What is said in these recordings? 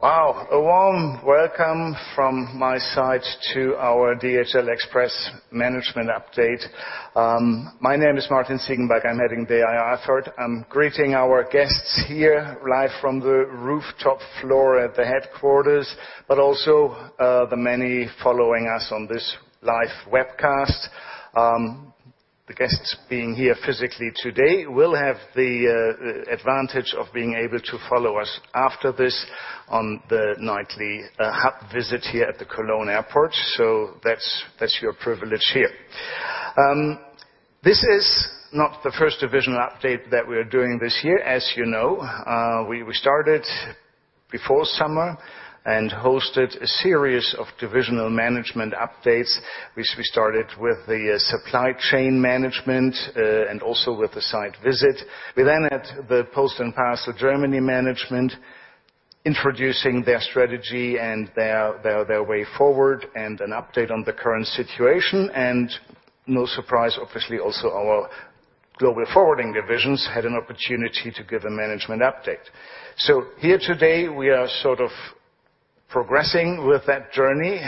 Wow. A warm welcome from my side to our DHL Express Management Update. My name is Martin Ziegenbalg. I'm heading the IR effort. I'm greeting our guests here live from the rooftop floor at the headquarters, but also, the many following us on this live webcast. The guests being here physically today will have the advantage of being able to follow us after this on the nightly hub visit here at the Cologne Airport. So that's your privilege here. This is not the first divisional update that we're doing this year. As you know, we started before summer and hosted a series of divisional management updates, which we started with the supply chain management and also with the site visit. We then had the Post & Parcel Germany management introducing their strategy and their way forward and an update on the current situation, and no surprise, officially, also our global forwarding divisions had an opportunity to give a management update. Here today, we are sort of progressing with that journey.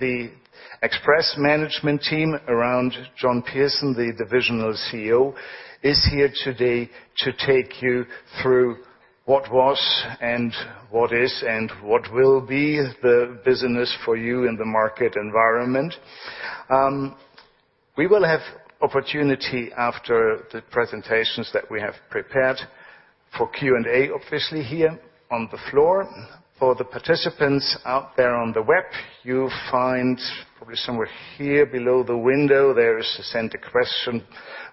The express management team around John Pearson, the divisional CEO, is here today to take you through what was and what is and what will be the business for you in the market environment. We will have opportunity after the presentations that we have prepared for Q&A officially here on the floor. For the participants out there on the web, you'll find probably somewhere here below the window, there is a send a question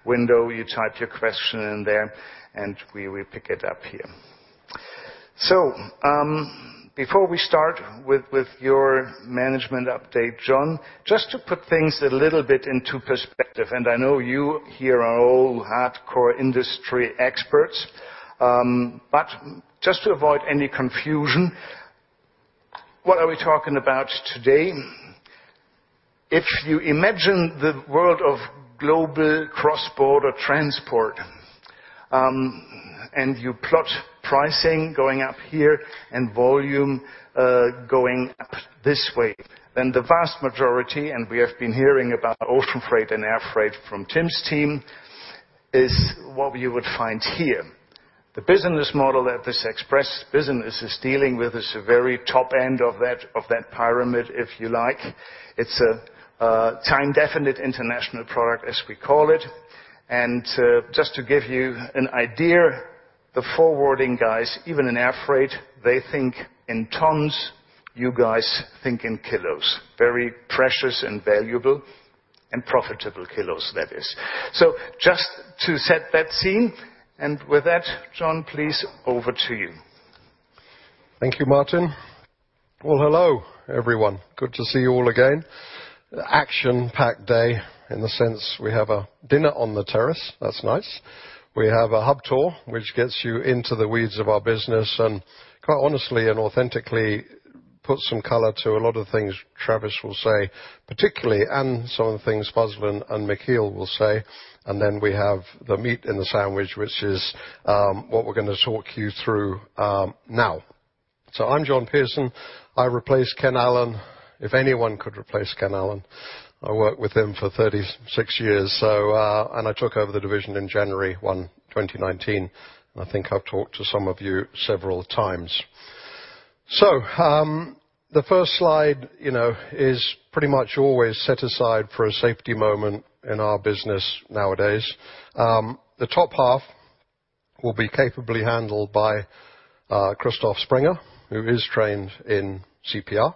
window. You type your question in there, and we will pick it up here. Before we start with your management update, John, just to put things a little bit into perspective, and I know you here are all hardcore industry experts, but just to avoid any confusion, what are we talking about today? If you imagine the world of global cross-border transport, and you plot pricing going up here and volume going up this way, then the vast majority, and we have been hearing about ocean freight and air freight from Tim's team, is what you would find here. The business model that this express business is dealing with is the very top end of that pyramid, if you like. It's a time-definite international product, as we call it. Just to give you an idea, the forwarding guys, even in air freight, they think in tons, you guys think in kilos. Very precious and valuable and profitable kilos, that is. Just to set that scene, and with that, John, please, over to you. Thank you, Martin. Well, hello, everyone. Good to see you all again. Action-packed day in the sense we have a dinner on the terrace. That's nice. We have a hub tour, which gets you into the weeds of our business, and quite honestly and authentically put some color to a lot of things Travis will say, particularly, and some of the things Fazlin and Michiel will say. We have the meat in the sandwich, which is what we're gonna talk you through now. I'm John Pearson. I replaced Ken Allen. If anyone could replace Ken Allen, I worked with him for 36 years, and I took over the division on January 1, 2019. I think I've talked to some of you several times. The first slide, you know, is pretty much always set aside for a safety moment in our business nowadays. The top half will be capably handled by Christoph Sprenger, who is trained in CPR.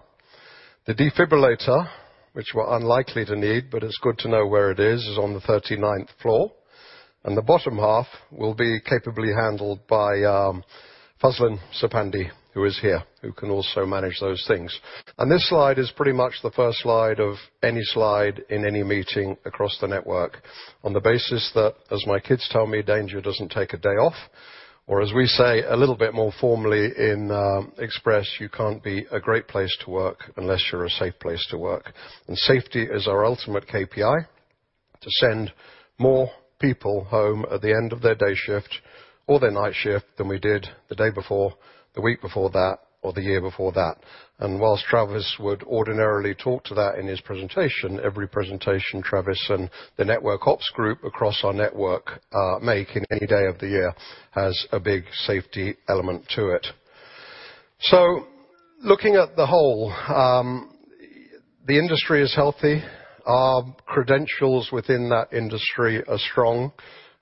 The defibrillator, which we're unlikely to need, but it's good to know where it is on the 39th floor, and the bottom half will be capably handled by Fazlin Sopandi, who is here, who can also manage those things. This slide is pretty much the first slide of any slide in any meeting across the network on the basis that, as my kids tell me, danger doesn't take a day off, or as we say a little bit more formally in Express, you can't be a Great Place to Work unless you're a safe place to work. Safety is our ultimate KPI, to send more people home at the end of their day shift or their night shift than we did the day before, the week before that or the year before that. While Travis would ordinarily talk to that in his presentation, every presentation Travis and the network ops group across our network make in any day of the year has a big safety element to it. Looking at the whole, the industry is healthy. Our credentials within that industry are strong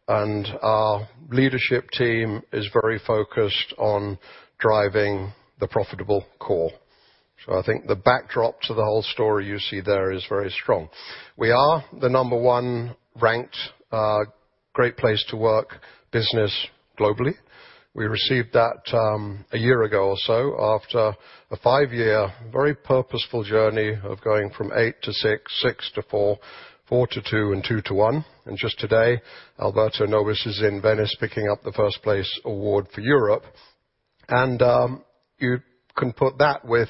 and our leadership team is very focused on driving the profitable core. I think the backdrop to the whole story you see there is very strong. We are the number one ranked Great Place to Work business globally. We received that a year ago or so after a five-year, very purposeful journey of going from eight to six to four to two and two to one. Just today, Alberto Nobis is in Venice picking up the first place award for Europe. You can put that with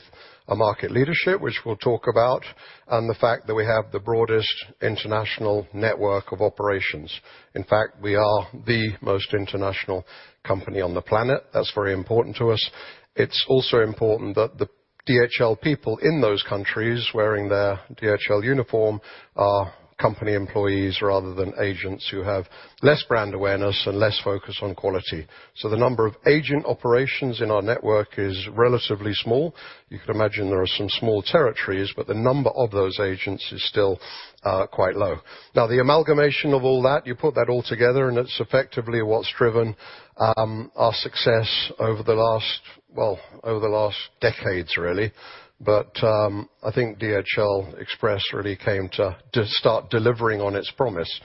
a market leadership, which we'll talk about, and the fact that we have the broadest international network of operations. In fact, we are the most international company on the planet. That's very important to us. It's also important that the DHL people in those countries wearing their DHL uniform are company employees rather than agents who have less brand awareness and less focus on quality. So the number of agent operations in our network is relatively small. You can imagine there are some small territories, but the number of those agents is still quite low. Now, the amalgamation of all that, you put that all together, and it's effectively what's driven our success over the last, well, over the last decades, really. I think DHL Express really came to start delivering on its promise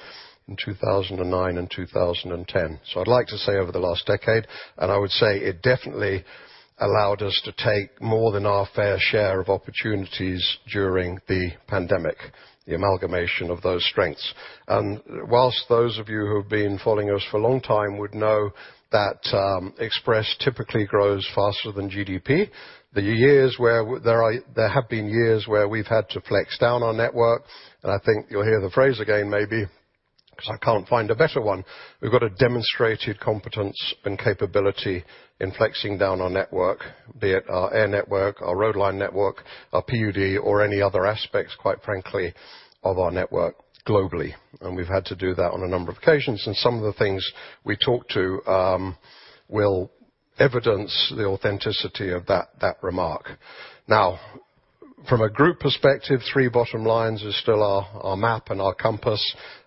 in 2009 and 2010. I'd like to say over the last decade, and I would say it definitely allowed us to take more than our fair share of opportunities during the pandemic, the amalgamation of those strengths. Whilst those of you who have been following us for a long time would know that, Express typically grows faster than GDP, the years where there have been years where we've had to flex down our network, and I think you'll hear the phrase again, maybe, 'cause I can't find a better one. We've got a demonstrated competence and capability in flexing down our network, be it our air network, our road line network, our PUD or any other aspects, quite frankly, of our network globally. We've had to do that on a number of occasions. Some of the things we talk to will evidence the authenticity of that remark. Now, from a group perspective, three bottom lines is still our map and our compass.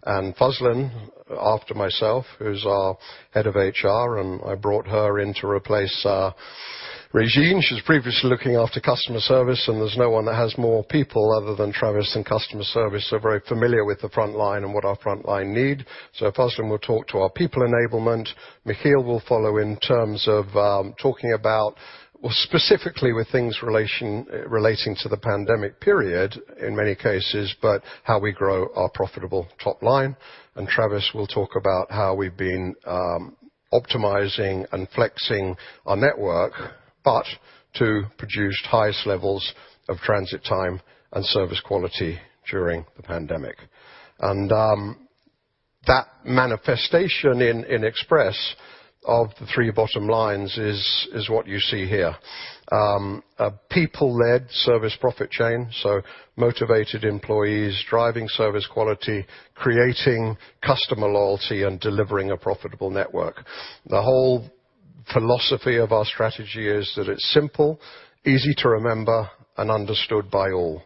Fazlin, after myself, who's our head of HR, and I brought her in to replace Regine. She was previously looking after customer service, and there's no one that has more people other than Travis in customer service. They're very familiar with the front line and what our front line need. Fazlin will talk to our people enablement. Michiel will follow in terms of talking about, well, specifically relating to the pandemic period in many cases, but how we grow our profitable top line. Travis will talk about how we've been optimizing and flexing our network, but to produce highest levels of transit time and service quality during the pandemic. That manifestation in Express of the three bottom lines is what you see here. A people-led service profit chain, so motivated employees driving service quality, creating customer loyalty and delivering a profitable network. The whole philosophy of our strategy is that it's simple, easy to remember and understood by all.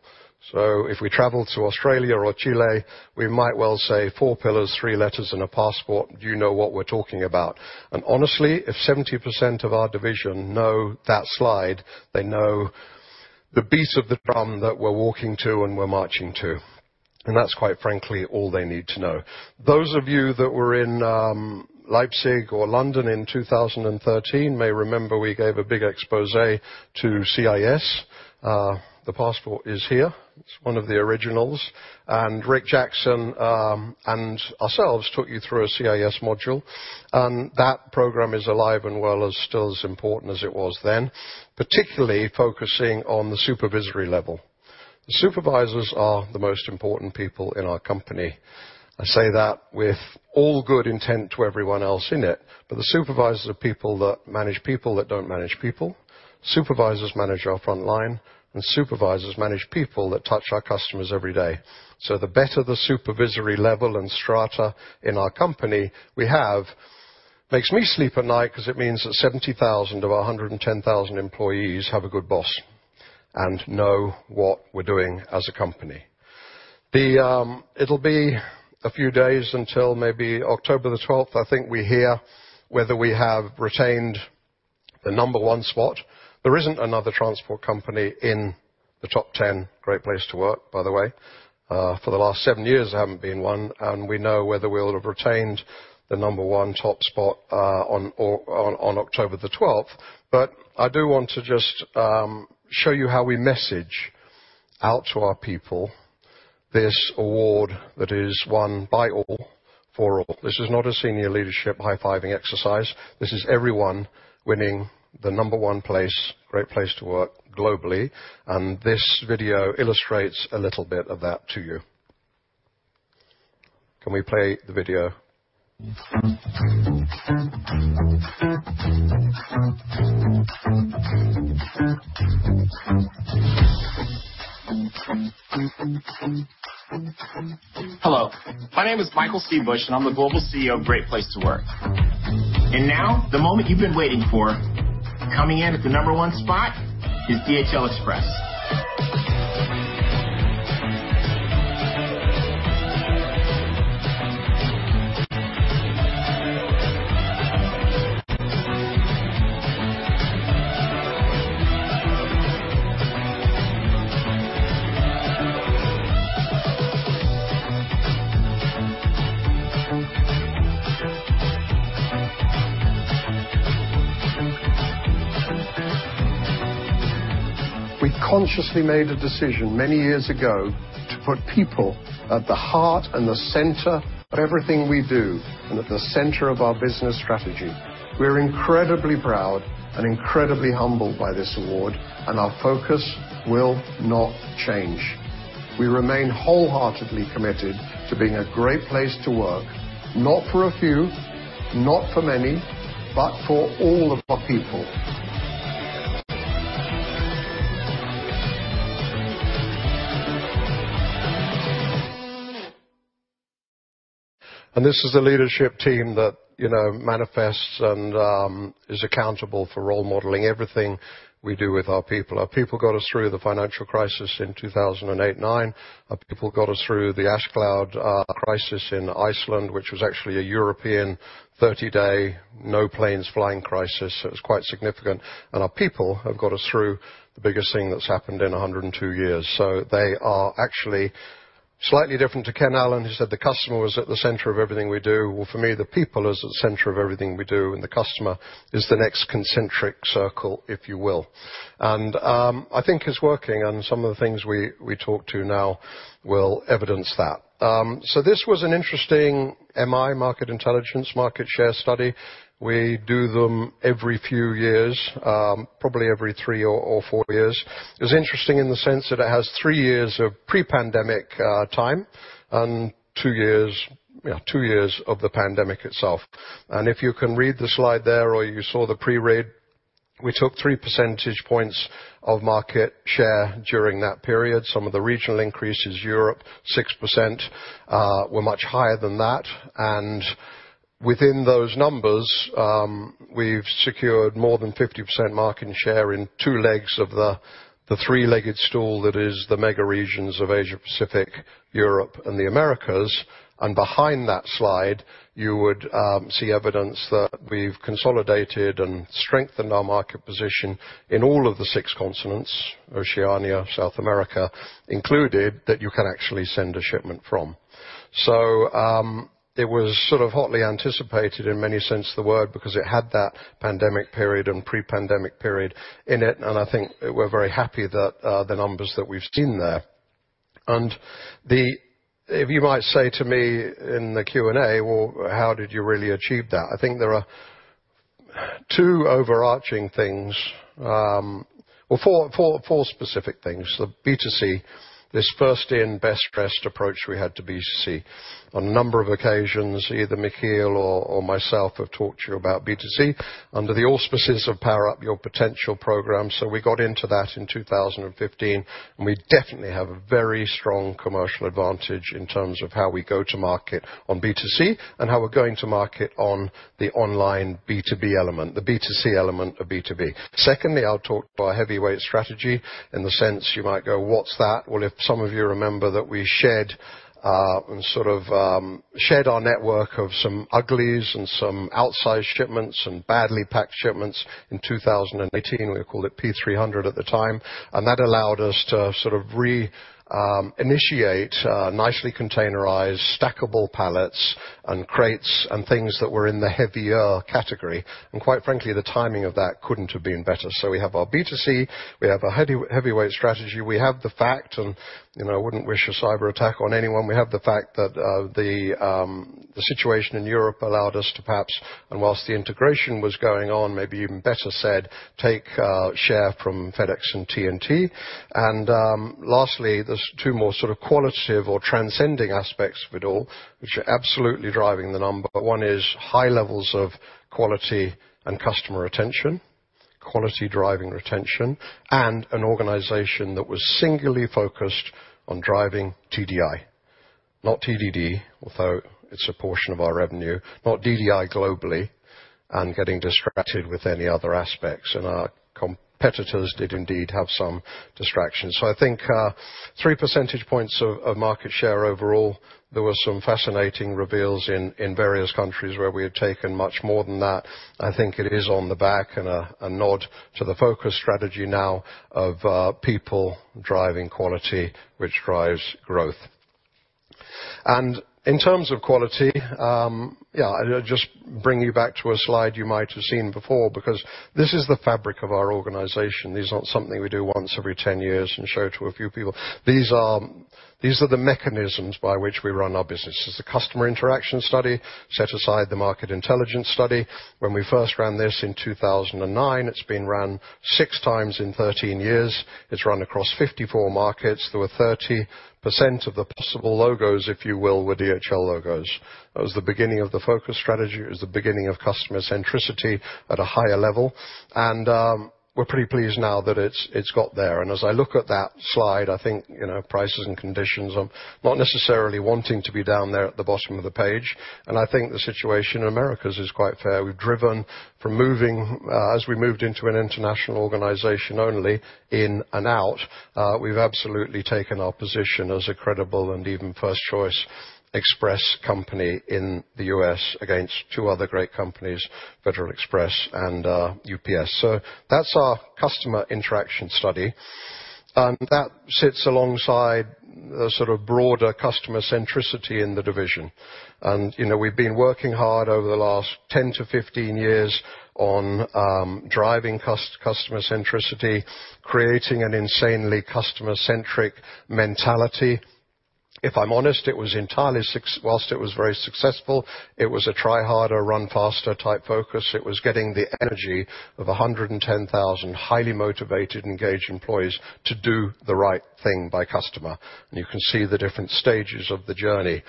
If we travel to Australia or Chile, we might well say four pillars, three letters and a passport. Do you know what we're talking about? Honestly, if 70% of our division know that slide, they know the beats of the drum that we're walking to and we're marching to. That's quite frankly all they need to know. Those of you that were in Leipzig or London in 2013 may remember we gave a big exposé to CIS. The passport is here. It's one of the originals. Rick Jackson and ourselves took you through a CIS module. That program is alive and well and still as important as it was then, particularly focusing on the supervisory level. The supervisors are the most important people in our company. I say that with all good intent to everyone else in it, but the supervisors are people that manage people that don't manage people. Supervisors manage our front line, and supervisors manage people that touch our customers every day. The better the supervisory level and strata in our company we have makes me sleep at night 'cause it means that 70,000 of our 110,000 employees have a good boss and know what we're doing as a company. It'll be a few days until maybe October the twelfth. I think we hear whether we have retained the number one spot. There isn't another transport company in the top 10, Great Place to Work, by the way. For the last 7 years, there haven't been one, and we know whether we'll have retained the number one top spot on October the twelfth. I do want to just show you how we message out to our people this award that is won by all, for all. This is not a senior leadership high-fiving exercise. This is everyone winning the number one place, Great Place to Work globally. This video illustrates a little bit of that to you. Can we play the video? Hello, my name is Michael C. Bush, and I'm the global CEO of Great Place to Work. Now, the moment you've been waiting for, coming in at the number one spot is DHL Express. We consciously made a decision many years ago to put people at the heart and the center of everything we do and at the center of our business strategy. We're incredibly proud and incredibly humbled by this award, and our focus will not change. We remain wholeheartedly committed to being a great place to work, not for a few, not for many, but for all of our people. This is the leadership team that, you know, manifests and is accountable for role-modeling everything we do with our people. Our people got us through the financial crisis in 2008-9. Our people got us through the ash cloud crisis in Iceland, which was actually a European 30-day no planes flying crisis. It was quite significant. Our people have got us through the biggest thing that's happened in 102 years. They are actually slightly different to Ken Allen, who said the customer was at the center of everything we do. Well, for me, the people is the center of everything we do, and the customer is the next concentric circle, if you will. I think it's working, and some of the things we talk about now will evidence that. This was an interesting MI, market intelligence, market share study. We do them every few years, probably every three or four years. It's interesting in the sense that it has 3 years of pre-pandemic time and 2 years of the pandemic itself. If you can read the slide there or you saw the pre-read, we took 3 percentage points of market share during that period. Some of the regional increases, Europe, 6%, were much higher than that. Within those numbers, we've secured more than 50% market share in two legs of the three-legged stool that is the mega regions of Asia, Pacific, Europe and the Americas. Behind that slide, you would see evidence that we've consolidated and strengthened our market position in all of the six continents, Oceania, South America included, that you can actually send a shipment from. It was sort of hotly anticipated in many senses of the word, because it had that pandemic period and pre-pandemic period in it. I think we're very happy that the numbers that we've seen there. If you might say to me in the Q&A, "Well, how did you really achieve that?" I think there are two overarching things. Well, four specific things. The B2C. This first in best-dressed approach we had to B2C. On a number of occasions, either Michiel or myself have talked to you about B2C under the auspices of Power Up Your Potential program. We got into that in 2015, and we definitely have a very strong commercial advantage in terms of how we go to market on B2C and how we're going to market on the online B2B element. The B2C element of B2B. Secondly, I'll talk to our heavyweight strategy. In the sense you might go, "What's that?" Well, if some of you remember that we shed our network of some uglies and some outsized shipments and badly packed shipments in 2018. We called it P300 at the time. That allowed us to sort of reinitiate nicely containerized stackable pallets and crates and things that were in the heavier category. Quite frankly, the timing of that couldn't have been better. We have our B2C, we have a heavyweight strategy. We have the fact, you know, wouldn't wish a cyber attack on anyone. We have the fact that the situation in Europe allowed us to perhaps, and whilst the integration was going on, maybe even better said, take share from FedEx and TNT. Lastly, there's two more sort of qualitative or transcending aspects of it all which are absolutely driving the number. One is high levels of quality and customer retention, quality driving retention, and an organization that was singularly focused on driving TDI, not TDD, although it's a portion of our revenue, not DDI globally, and getting distracted with any other aspects. Our competitors did indeed have some distractions. I think three percentage points of market share overall. There were some fascinating reveals in various countries where we had taken much more than that. I think it is on the back and a nod to the focus strategy now of people driving quality, which drives growth. In terms of quality, I'll just bring you back to a slide you might have seen before, because this is the fabric of our organization. This is not something we do once every 10 years and show to a few people. These are the mechanisms by which we run our business. This is the customer interaction study, set aside the market intelligence study. When we first ran this in 2009, it's been run 6 times in 13 years. It's run across 54 markets. There were 30% of the possible logos, if you will, were DHL logos. That was the beginning of the focus strategy. It was the beginning of customer centricity at a higher level. We're pretty pleased now that it's got there. As I look at that slide, I think, you know, prices and conditions, I'm not necessarily wanting to be down there at the bottom of the page. I think the situation in Americas is quite fair. As we moved into an international organization only, in and out, we've absolutely taken our position as a credible and even first choice express company in the US against two other great companies, FedEx and UPS. That's our customer interaction study. That sits alongside the sort of broader customer centricity in the division. You know, we've been working hard over the last 10-15 years on driving customer centricity, creating an insanely customer-centric mentality. If I'm honest, whilst it was very successful, it was a try harder, run faster type focus. It was getting the energy of 110,000 highly motivated, engaged employees to do the right thing by customer. You can see the different stages of the journey.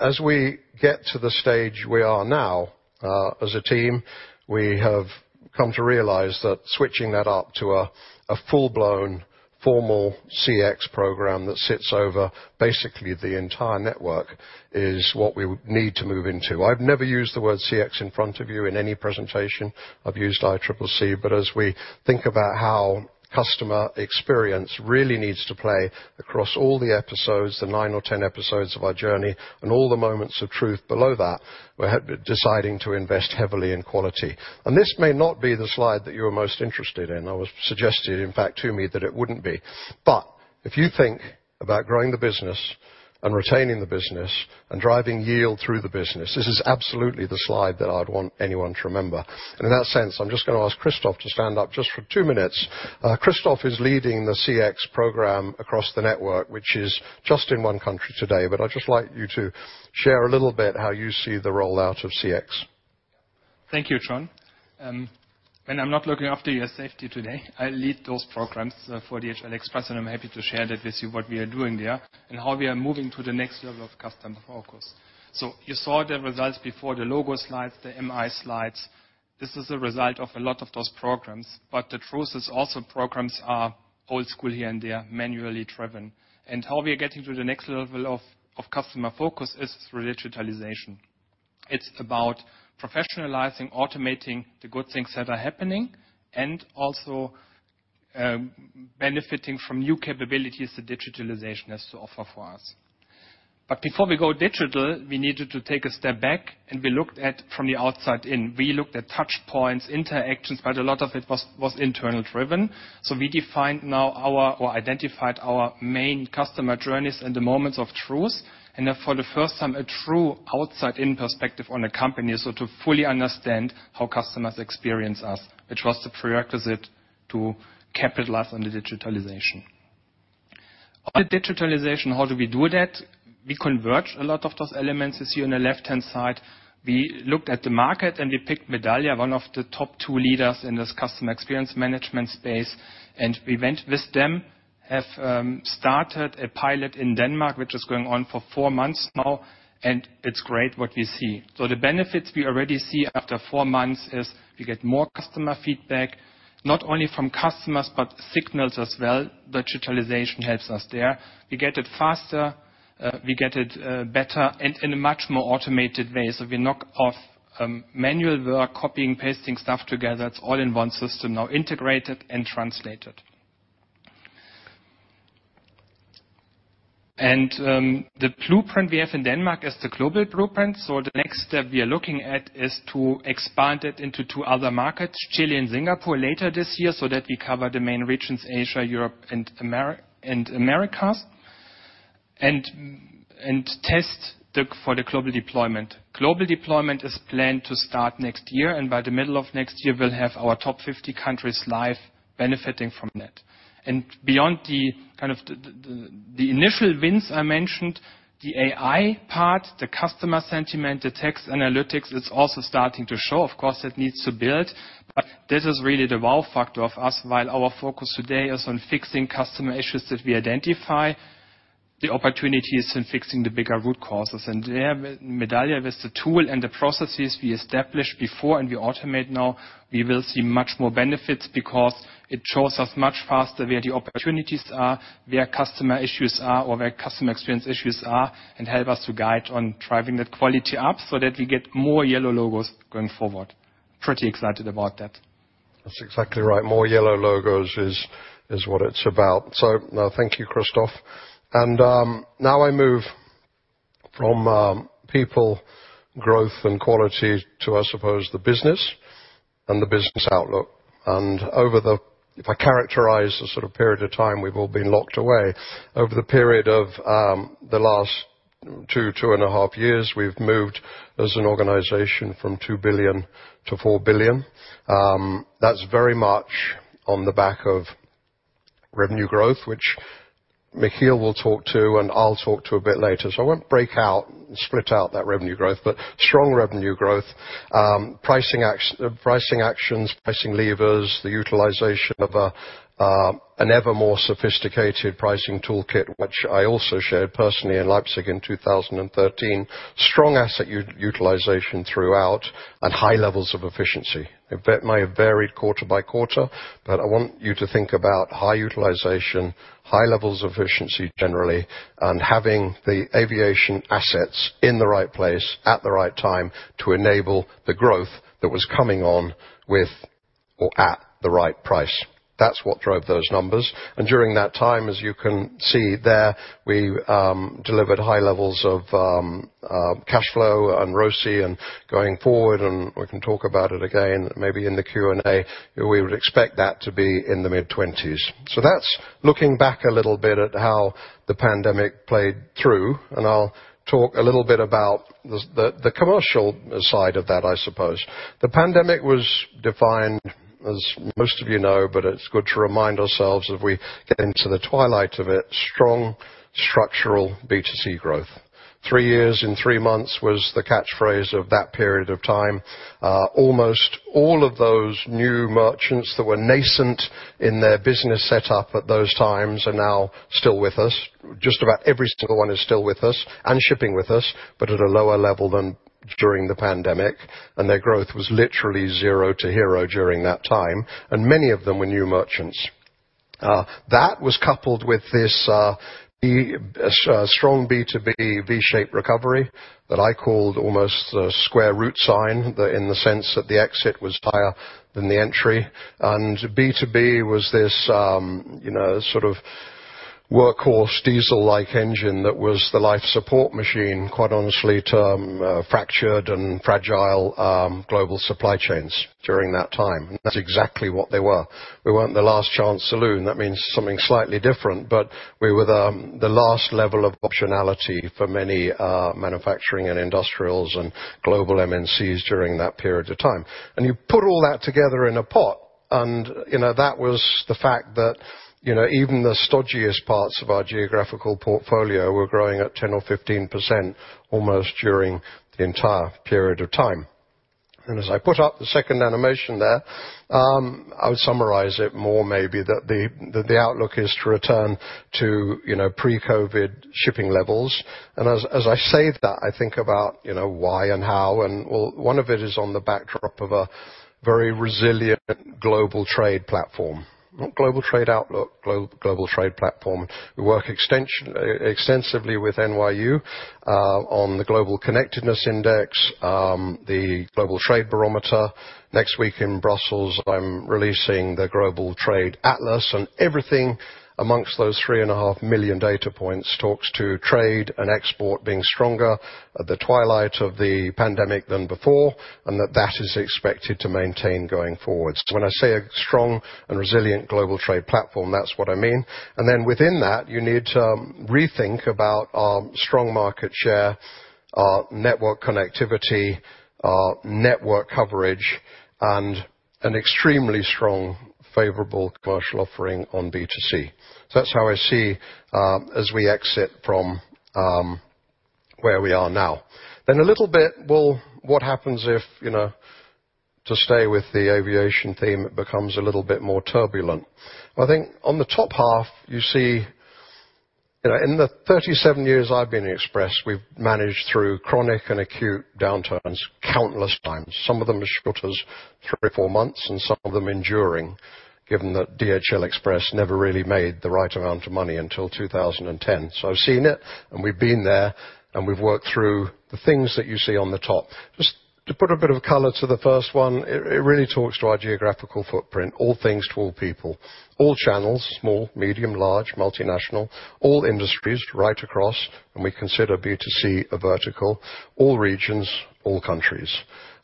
As we get to the stage we are now, as a team, we have come to realize that switching that up to a full-blown formal CX program that sits over basically the entire network is what we would need to move into. I've never used the word CX in front of you in any presentation. I've used ICC. As we think about how customer experience really needs to play across all the episodes, the nine or 10 episodes of our journey, and all the moments of truth below that, we're deciding to invest heavily in quality. This may not be the slide that you're most interested in. It was suggested to me that it wouldn't be. If you think about growing the business and retaining the business and driving yield through the business, this is absolutely the slide that I'd want anyone to remember. In that sense, I'm just gonna ask Christoph to stand up just for 2 minutes. Christoph is leading the CX program across the network, which is just in one country today, but I'd just like you to share a little bit how you see the rollout of CX. Thank you, John. I'm not looking after your safety today. I lead those programs for DHL Express, and I'm happy to share that with you, what we are doing there and how we are moving to the next level of customer focus. You saw the results before the logo slides, the MI slides. This is a result of a lot of those programs. The truth is also programs are old school here and there, manually driven. How we are getting to the next level of customer focus is through digitalization. It's about professionalizing, automating the good things that are happening and also benefiting from new capabilities that digitalization has to offer for us. Before we go digital, we needed to take a step back and we looked at from the outside in. We looked at touch points, interactions, but a lot of it was internally driven. We identified our main customer journeys and the moments of truth. For the first time, a true outside-in perspective on the company. To fully understand how customers experience us. It was the prerequisite to capitalize on the digitalization. On the digitalization, how do we do that? We converge a lot of those elements you see on the left-hand side. We looked at the market and we picked Medallia, one of the top two leaders in this customer experience management space. We went with them. We have started a pilot in Denmark, which is going on for four months now, and it's great what we see. The benefits we already see after four months is we get more customer feedback, not only from customers but signals as well. Digitalization helps us there. We get it faster, we get it better, and in a much more automated way. We knock off manual work, copying, pasting stuff together. It's all in one system, now integrated and translated. The blueprint we have in Denmark is the global blueprint. The next step we are looking at is to expand it into two other markets, Chile and Singapore, later this year, so that we cover the main regions, Asia, Europe, and Americas, and test for the global deployment. Global deployment is planned to start next year, and by the middle of next year, we'll have our top 50 countries live benefiting from that. Beyond the initial wins I mentioned, the AI part, the customer sentiment, the text analytics, it's also starting to show. Of course, it needs to build, but this is really the wow factor of us. While our focus today is on fixing customer issues that we identify, the opportunity is in fixing the bigger root causes. There, Medallia, with the tool and the processes we established before and we automate now, we will see much more benefits because it shows us much faster where the opportunities are, where customer issues are, or where customer experience issues are, and help us to guide on driving that quality up so that we get more yellow logos going forward. Pretty excited about that. That's exactly right. More yellow logos is what it's about. Thank you, Christoph. Now I move from people, growth and quality to, I suppose, the business and the business outlook. If I characterize the sort of period of time we've all been locked away, over the period of the last two and a half years, we've moved as an organization from 2 billion to 4 billion. That's very much on the back of revenue growth, which Michiel will talk to and I'll talk to a bit later. I won't break out, split out that revenue growth, but strong revenue growth. Pricing actions, pricing levers, the utilization of an ever more sophisticated pricing toolkit, which I also shared personally in Leipzig in 2013. Strong asset utilization throughout and high levels of efficiency. It may have varied quarter by quarter, but I want you to think about high utilization, high levels of efficiency generally, and having the aviation assets in the right place at the right time to enable the growth that was coming on with or at the right price. That's what drove those numbers. During that time, as you can see there, we delivered high levels of cash flow and ROCE and going forward, and we can talk about it again maybe in the Q&A, we would expect that to be in the mid-20s%. That's looking back a little bit at how the pandemic played through, and I'll talk a little bit about the commercial side of that, I suppose. The pandemic was defined, as most of you know, but it's good to remind ourselves if we get into the twilight of it, strong structural B2C growth. Three years in three months was the catchphrase of that period of time. Almost all of those new merchants that were nascent in their business setup at those times are now still with us. Just about every single one is still with us and shipping with us, but at a lower level than during the pandemic. Their growth was literally zero to hero during that time, and many of them were new merchants. That was coupled with a strong B2B V-shaped recovery that I called almost the square root sign in the sense that the exit was higher than the entry. B2B was this, you know, sort of workhorse diesel-like engine that was the life support machine, quite honestly, to fractured and fragile global supply chains during that time. That's exactly what they were. We weren't the last chance saloon. That means something slightly different, but we were the last level of optionality for many manufacturing and industrials and global MNCs during that period of time. You put all that together in a pot and, you know, that was the fact that, you know, even the stodgiest parts of our geographical portfolio were growing at 10% or 15% almost during the entire period of time. As I put up the second animation there, I would summarize it more maybe that the outlook is to return to, you know, pre-COVID shipping levels. As I say that, I think about, you know, why and how, and well, one of it is on the backdrop of a very resilient global trade platform. Not global trade outlook, global trade platform. We work extensively with NYU on the Global Connectedness Index, the Global Trade Barometer. Next week in Brussels, I'm releasing the Global Trade Atlas, and everything amongst those 3.5 million data points talks to trade and export being stronger at the twilight of the pandemic than before, and that is expected to maintain going forward. When I say a strong and resilient global trade platform, that's what I mean. Then within that, you need to rethink about our strong market share, our network connectivity, our network coverage, and an extremely strong, favorable commercial offering on B2C. That's how I see as we exit from where we are now. A little bit what happens if to stay with the aviation theme, it becomes a little bit more turbulent. I think on the top half, you see. In the 37 years I've been in Express, we've managed through chronic and acute downturns countless times. Some of them shorter 3 or 4 months, and some of them enduring, given that DHL Express never really made the right amount of money until 2010. I've seen it, and we've been there, and we've worked through the things that you see on the top. Just to put a bit of color to the first one, it really talks to our geographical footprint, all things to all people. All channels, small, medium, large, multinational, all industries right across, and we consider B2C a vertical, all regions, all countries.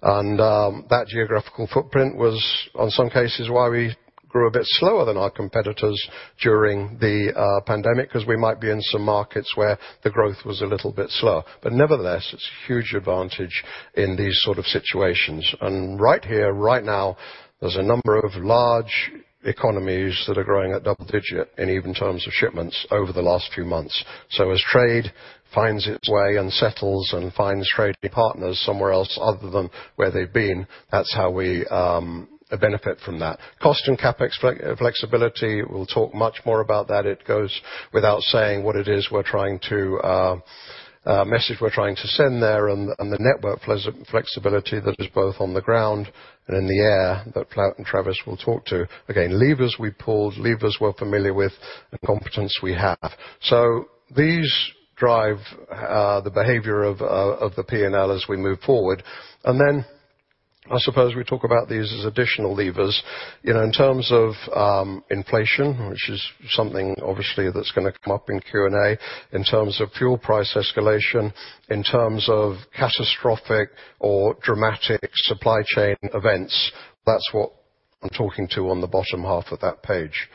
That geographical footprint was, in some cases, why we grew a bit slower than our competitors during the pandemic, 'cause we might be in some markets where the growth was a little bit slower. Nevertheless, it's a huge advantage in these sort of situations. Right here, right now, there's a number of large economies that are growing at double-digit and even in terms of shipments over the last few months. As trade finds its way and settles and finds trading partners somewhere else other than where they've been, that's how we benefit from that. Cost and CapEx flexibility, we'll talk much more about that. It goes without saying what it is we're trying to message we're trying to send there and the network flexibility that is both on the ground and in the air that Michiel and Travis will talk to. Again, levers we pulled, levers we're familiar with, and competence we have. These drive the behavior of the P&L as we move forward. Then I suppose we talk about these as additional levers. You know, in terms of inflation, which is something obviously that's gonna come up in Q&A, in terms of fuel price escalation, in terms of catastrophic or dramatic supply chain events. That's what I'm talking to on the bottom half of that page.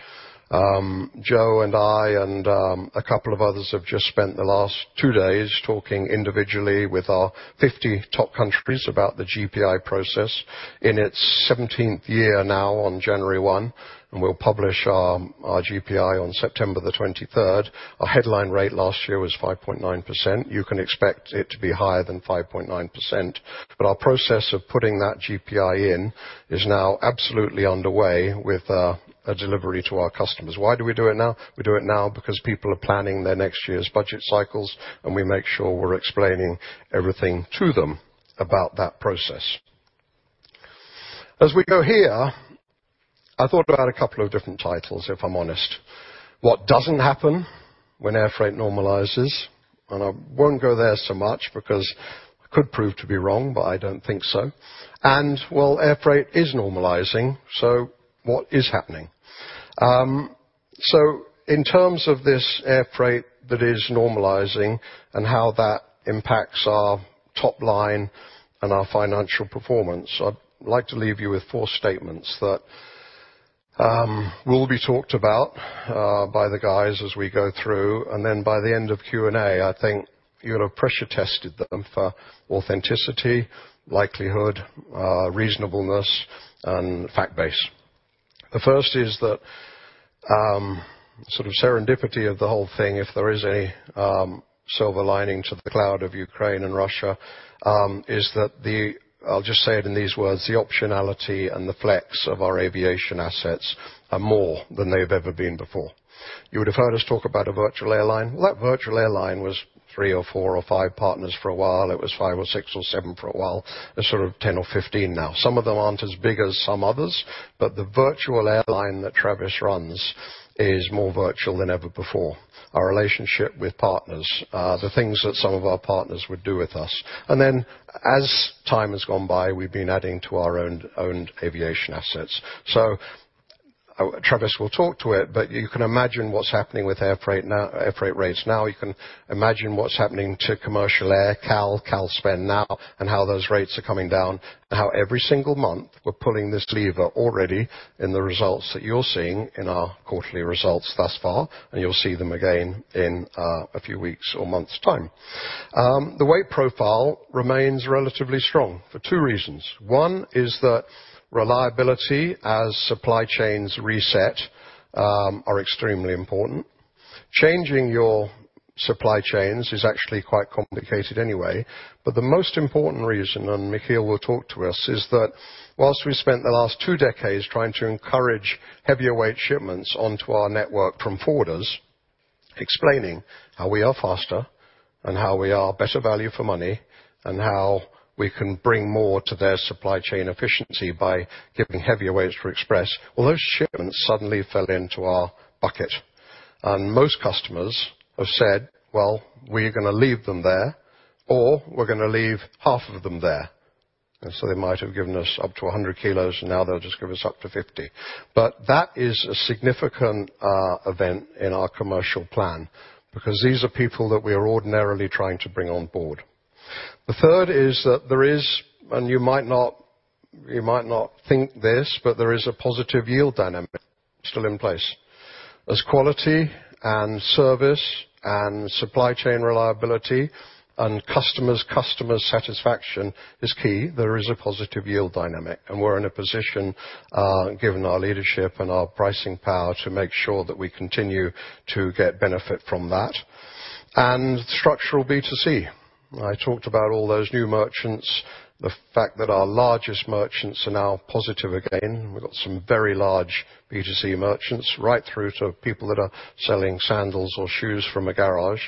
Joe and I and a couple of others have just spent the last two days talking individually with our 50 top countries about the GPI process in its seventeenth year now on January one, and we'll publish our GPI on September the twenty-third. Our headline rate last year was 5.9%. You can expect it to be higher than 5.9%. Our process of putting that GPI in is now absolutely underway with a delivery to our customers. Why do we do it now? We do it now because people are planning their next year's budget cycles, and we make sure we're explaining everything to them about that process. As we go here, I thought about a couple of different titles, if I'm honest. What doesn't happen when air freight normalizes. I won't go there so much because it could prove to be wrong, but I don't think so. While air freight is normalizing, so what is happening? In terms of this air freight that is normalizing and how that impacts our top line and our financial performance, I'd like to leave you with four statements that will be talked about by the guys as we go through. Then by the end of Q&A, I think you'll have pressure tested them for authenticity, likelihood, reasonableness, and fact base. The first is that sort of serendipity of the whole thing, if there is any, silver lining to the cloud of Ukraine and Russia is that I'll just say it in these words, the optionality and the flex of our aviation assets are more than they've ever been before. You would have heard us talk about a virtual airline. Well, that virtual airline was 3 or 4 or 5 partners for a while. It was 5 or 6 or 7 for a while. It's sort of 10 or 15 now. Some of them aren't as big as some others, but the virtual airline that Travis runs is more virtual than ever before. Our relationship with partners, the things that some of our partners would do with us. As time has gone by, we've been adding to our own owned aviation assets. Travis will talk to it, but you can imagine what's happening with air freight now, air freight rates now. You can imagine what's happening to commercial air, CAL spend now and how those rates are coming down and how every single month we're pulling this lever already in the results that you're seeing in our quarterly results thus far, and you'll see them again in a few weeks or months' time. The weight profile remains relatively strong for two reasons. One is that reliability as supply chains reset are extremely important. Changing your supply chains is actually quite complicated anyway. The most important reason, and Michiel will talk to us, is that while we spent the last two decades trying to encourage heavier weight shipments onto our network from forwarders, explaining how we are faster and how we are better value for money and how we can bring more to their supply chain efficiency by giving heavier weights for express. Well, those shipments suddenly fell into our bucket, and most customers have said, "Well, we're gonna leave them there, or we're gonna leave half of them there." They might have given us up to 100 kilos, and now they'll just give us up to 50. But that is a significant event in our commercial plan because these are people that we are ordinarily trying to bring on board. The third is that there is, and you might not think this, but there is a positive yield dynamic still in place. As quality and service and supply chain reliability and customers' customer satisfaction is key, there is a positive yield dynamic, and we're in a position given our leadership and our pricing power, to make sure that we continue to get benefit from that. Structural B2C. I talked about all those new merchants. The fact that our largest merchants are now positive again. We've got some very large B2C merchants, right through to people that are selling sandals or shoes from a garage.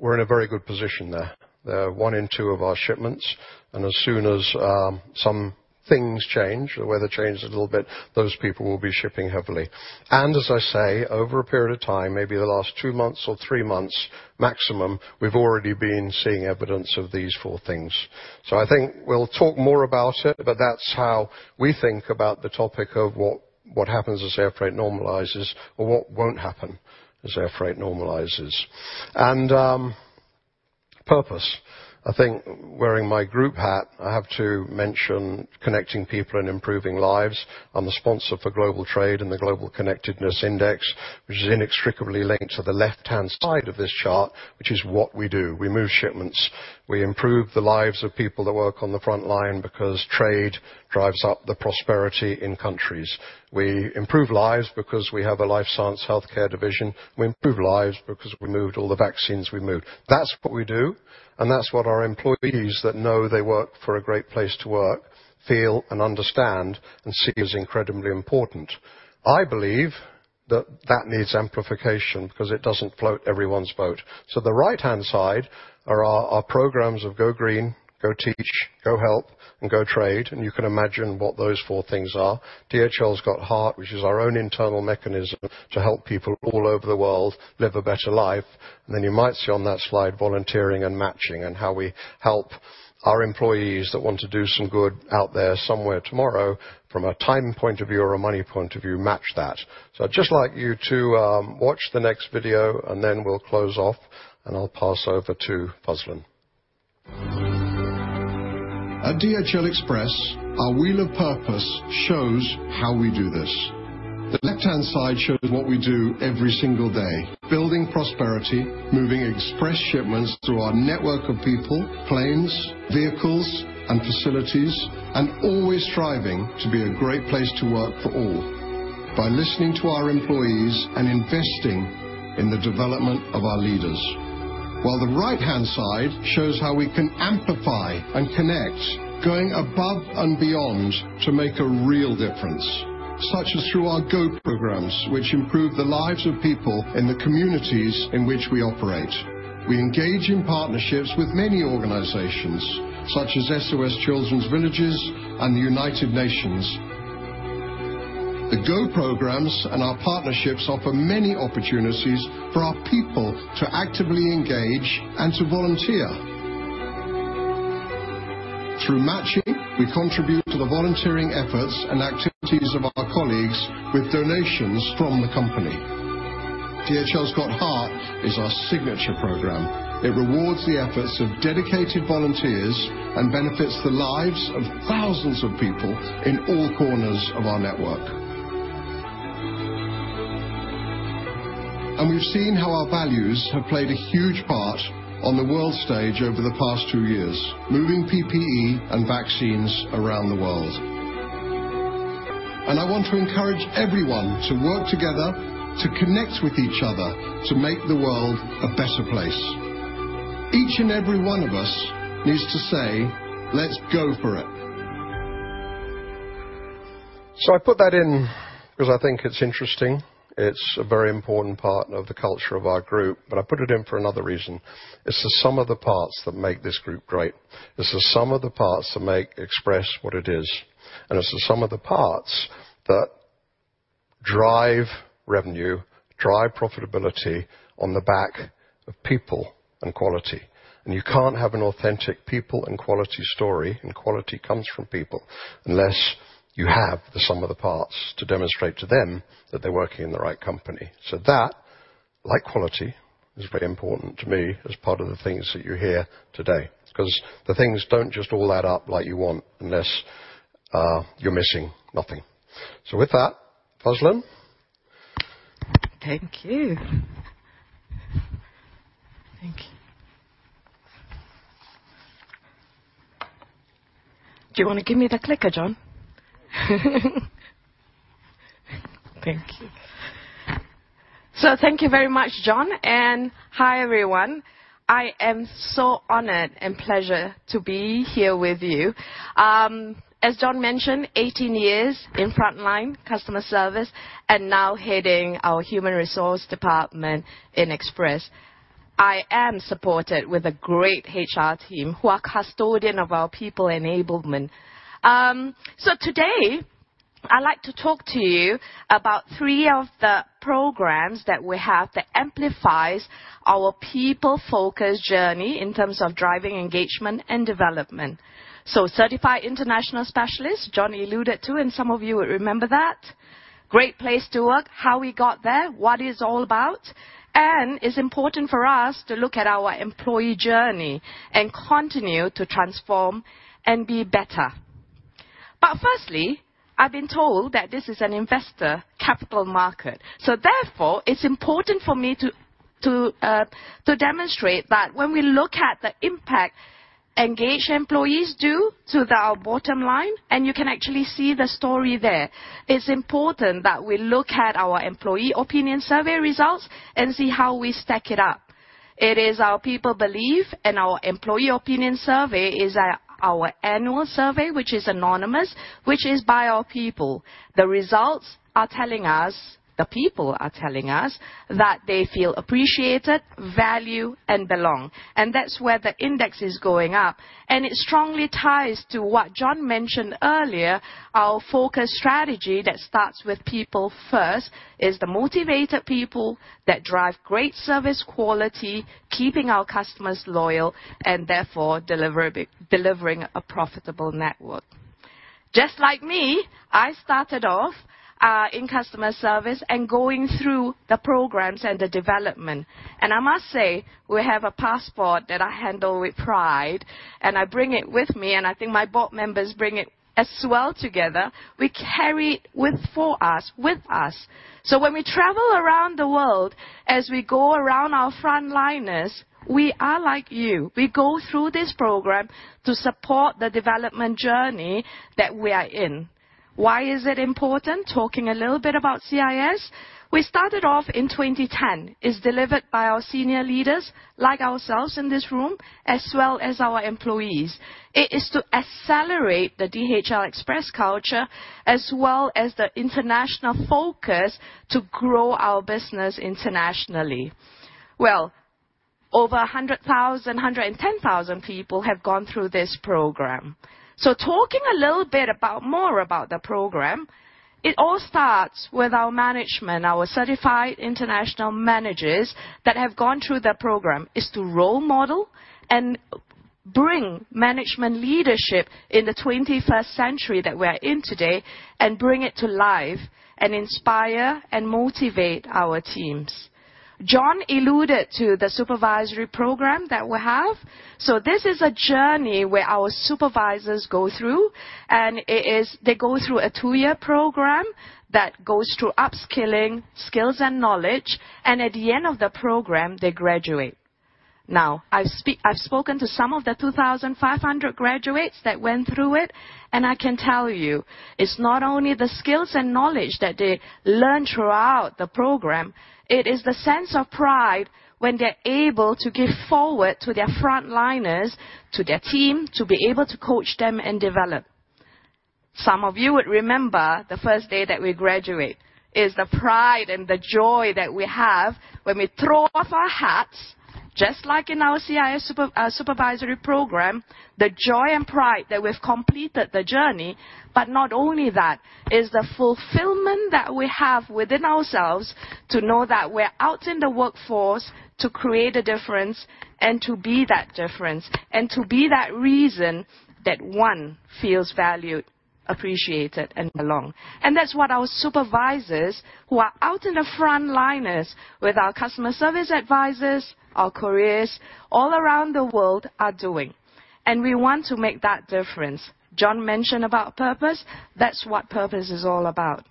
We're in a very good position there. They're one in two of our shipments. As soon as some things change or weather changes a little bit, those people will be shipping heavily. As I say, over a period of time, maybe the last two months or three months maximum, we've already been seeing evidence of these four things. I think we'll talk more about it, but that's how we think about the topic of what happens as air freight normalizes or what won't happen as air freight normalizes. Purpose. I think wearing my group hat, I have to mention connecting people and improving lives. I'm the sponsor for global trade and the Global Connectedness Index, which is inextricably linked to the left-hand side of this chart, which is what we do. We move shipments. We improve the lives of people that work on the front line because trade drives up the prosperity in countries. We improve lives because we have a life science healthcare division. We improve lives because we moved all the vaccines we moved. That's what we do, and that's what our employees that know they work for a Great Place to Work, feel and understand and see as incredibly important. I believe that that needs amplification because it doesn't float everyone's boat. The right-hand side are our programs of Go Green, Go Teach, Go Help, and Go Trade, and you can imagine what those four things are. DHL's Got Heart, which is our own internal mechanism to help people all over the world live a better life. Then you might see on that slide, volunteering and matching and how we help our employees that want to do some good out there somewhere tomorrow from a time point of view or a money point of view, match that. I'd just like you to watch the next video, and then we'll close off, and I'll pass over to Fazlin. At DHL Express, our wheel of purpose shows how we do this. The left-hand side shows what we do every single day, building prosperity, moving express shipments through our network of people, planes, vehicles, and facilities, and always striving to be a Great Place to Work for all by listening to our employees and investing in the development of our leaders. While the right-hand side shows how we can amplify and connect, going above and beyond to make a real difference, such as through our Go programs, which improve the lives of people in the communities in which we operate. We engage in partnerships with many organizations such as SOS Children's Villages and the United Nations. The Go programs and our partnerships offer many opportunities for our people to actively engage and to volunteer. Through matching, we contribute to the volunteering efforts and activities of our colleagues with donations from the company. DHL's Got Heart is our signature program. It rewards the efforts of dedicated volunteers and benefits the lives of thousands of people in all corners of our network. We've seen how our values have played a huge part on the world stage over the past two years, moving PPE and vaccines around the world. I want to encourage everyone to work together, to connect with each other, to make the world a better place. Each and every one of us needs to say, "Let's go for it." I put that in because I think it's interesting. It's a very important part of the culture of our group, but I put it in for another reason. It's the sum of the parts that make this group great. This is the sum of the parts that make Express what it is, and it's the sum of the parts that drive revenue, drive profitability on the back of people and quality. You can't have an authentic people and quality story, and quality comes from people, unless you have the sum of the parts to demonstrate to them that they're working in the right company. That, like quality, is very important to me as part of the things that you hear today, 'cause the things don't just all add up like you want unless you're missing nothing. With that, Fazlin. Thank you. Do you wanna give me the clicker, John? Thank you. Thank you very much, John. Hi, everyone. I am so honored and pleasure to be here with you. As John mentioned, 18 years in frontline customer service and now heading our human resource department in Express. I am supported with a great HR team who are custodian of our people enablement. Today I'd like to talk to you about three of the programs that we have that amplifies our people-focused journey in terms of driving engagement and development. Certified International Specialist, John alluded to, and some of you would remember that. Great Place to Work, how we got there, what is all about. It's important for us to look at our employee journey and continue to transform and be better. First, I've been told that this is an investor capital market, so therefore it's important for me to to demonstrate that when we look at the impact engaged employees do to our bottom line, and you can actually see the story there, it's important that we look at our employee opinion survey results and see how we stack it up. It is our people belief and our employee opinion survey is our annual survey, which is anonymous, which is by our people. The results are telling us, the people are telling us that they feel appreciated, valued, and belong, and that's where the index is going up. It strongly ties to what John mentioned earlier. Our focus strategy that starts with people first is the motivated people that drive great service quality, keeping our customers loyal, and therefore delivering a profitable network. Just like me, I started off in customer service and going through the programs and the development. I must say, we have a passport that I handle with pride, and I bring it with me, and I think my board members bring it as well together. We carry it with us. When we travel around the world, as we go around our frontliners, we are like you. We go through this program to support the development journey that we are in. Why is it important? Talking a little bit about CIS. We started off in 2010. It's delivered by our senior leaders like ourselves in this room, as well as our employees. It is to accelerate the DHL Express culture as well as the international focus to grow our business internationally. Well, over 100,000, 110,000 people have gone through this program. Talking a little bit about more about the program, it all starts with our management. Our Certified International Managers that have gone through the program is to role model and bring management leadership in the 21st century that we're in today and bring it to life and inspire and motivate our teams. John alluded to the supervisory program that we have. This is a journey where our supervisors go through, and it is they go through a two-year program that goes through upskilling, skills and knowledge, and at the end of the program, they graduate. Now, I've spoken to some of the 2,500 graduates that went through it, and I can tell you, it's not only the skills and knowledge that they learn throughout the program, it is the sense of pride when they're able to give forward to their frontliners, to their team, to be able to coach them and develop. Some of you would remember the first day that we graduate is the pride and the joy that we have when we throw off our hats, just like in our CIS, our supervisory program, the joy and pride that we've completed the journey. But not only that, it's the fulfillment that we have within ourselves to know that we're out in the workforce to create a difference and to be that difference and to be that reason that one feels valued, appreciated, and belong. That's what our supervisors who are out in the front liners with our customer service advisors, our couriers all around the world are doing. We want to make that difference. John mentioned about purpose. That's what purpose is all about.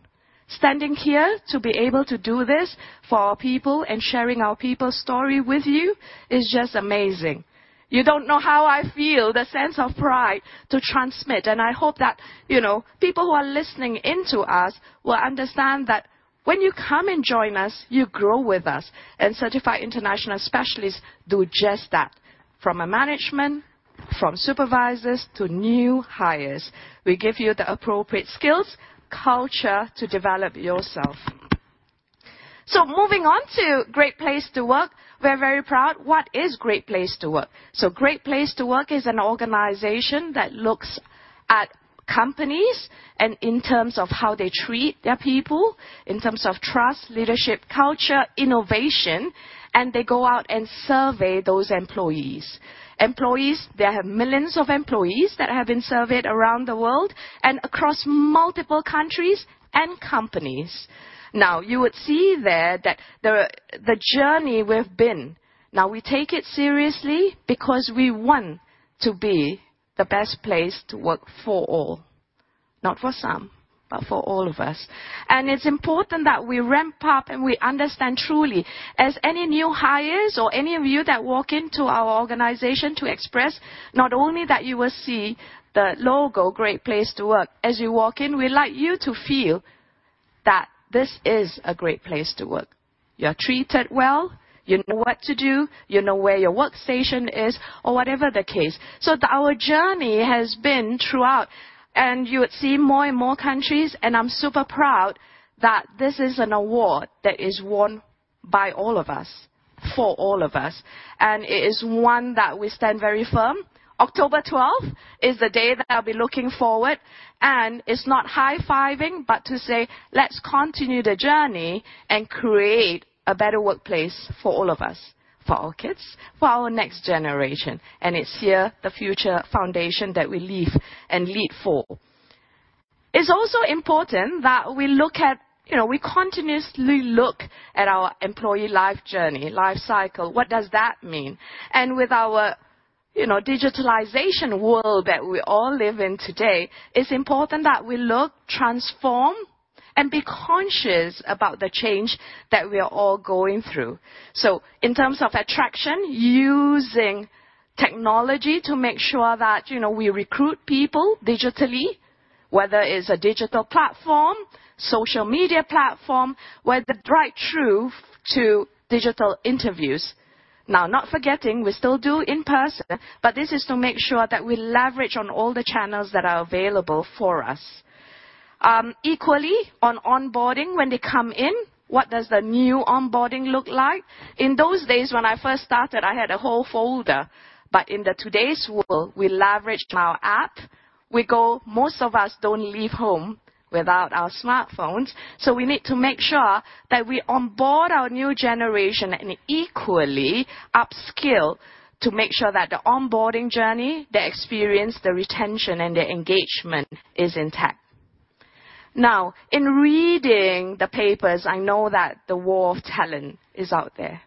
Standing here to be able to do this for our people and sharing our people's story with you is just amazing. You don't know how I feel, the sense of pride to transmit, and I hope that, you know, people who are listening in to us will understand that when you come and join us, you grow with us. Certified International Specialists do just that. From a management, from supervisors to new hires, we give you the appropriate skills, culture to develop yourself. Moving on to Great Place to Work, we're very proud. What is Great Place to Work? Great Place to Work is an organization that looks at companies and in terms of how they treat their people, in terms of trust, leadership, culture, innovation, and they go out and survey those employees. Employees. They have millions of employees that have been surveyed around the world and across multiple countries and companies. Now, you would see there that the journey we've been. Now we take it seriously because we want to be the best place to work for all. Not for some, but for all of us. It's important that we ramp up and we understand truly, as any new hires or any of you that walk into our organization to express, not only that you will see the logo, Great Place to Work. As you walk in, we'd like you to feel that this is a great place to work. You're treated well, you know what to do, you know where your workstation is or whatever the case. Our journey has been throughout, and you would see more and more countries, and I'm super proud that this is an award that is won by all of us, for all of us. It is one that we stand very firm. October twelve is the day that I'll be looking forward, and it's not high-fiving, but to say, "Let's continue the journey and create a better workplace for all of us, for our kids, for our next generation." It's here, the future foundation that we leave and lead for. It's also important that we look at, you know, we continuously look at our employee life journey, life cycle. What does that mean? With our, you know, digitalization world that we all live in today, it's important that we look, transform, and be conscious about the change that we are all going through. In terms of attraction, using technology to make sure that, you know, we recruit people digitally, whether it's a digital platform, social media platform, whether right through to digital interviews. Now, not forgetting, we still do in-person, but this is to make sure that we leverage on all the channels that are available for us. Equally on onboarding, when they come in, what does the new onboarding look like? In those days, when I first started, I had a whole folder, but in today's world, we leverage our app. Most of us don't leave home without our smartphones, so we need to make sure that we onboard our new generation and equally upskill to make sure that the onboarding journey, the experience, the retention, and the engagement is intact. Now, in reading the papers, I know that the war of talent is out there.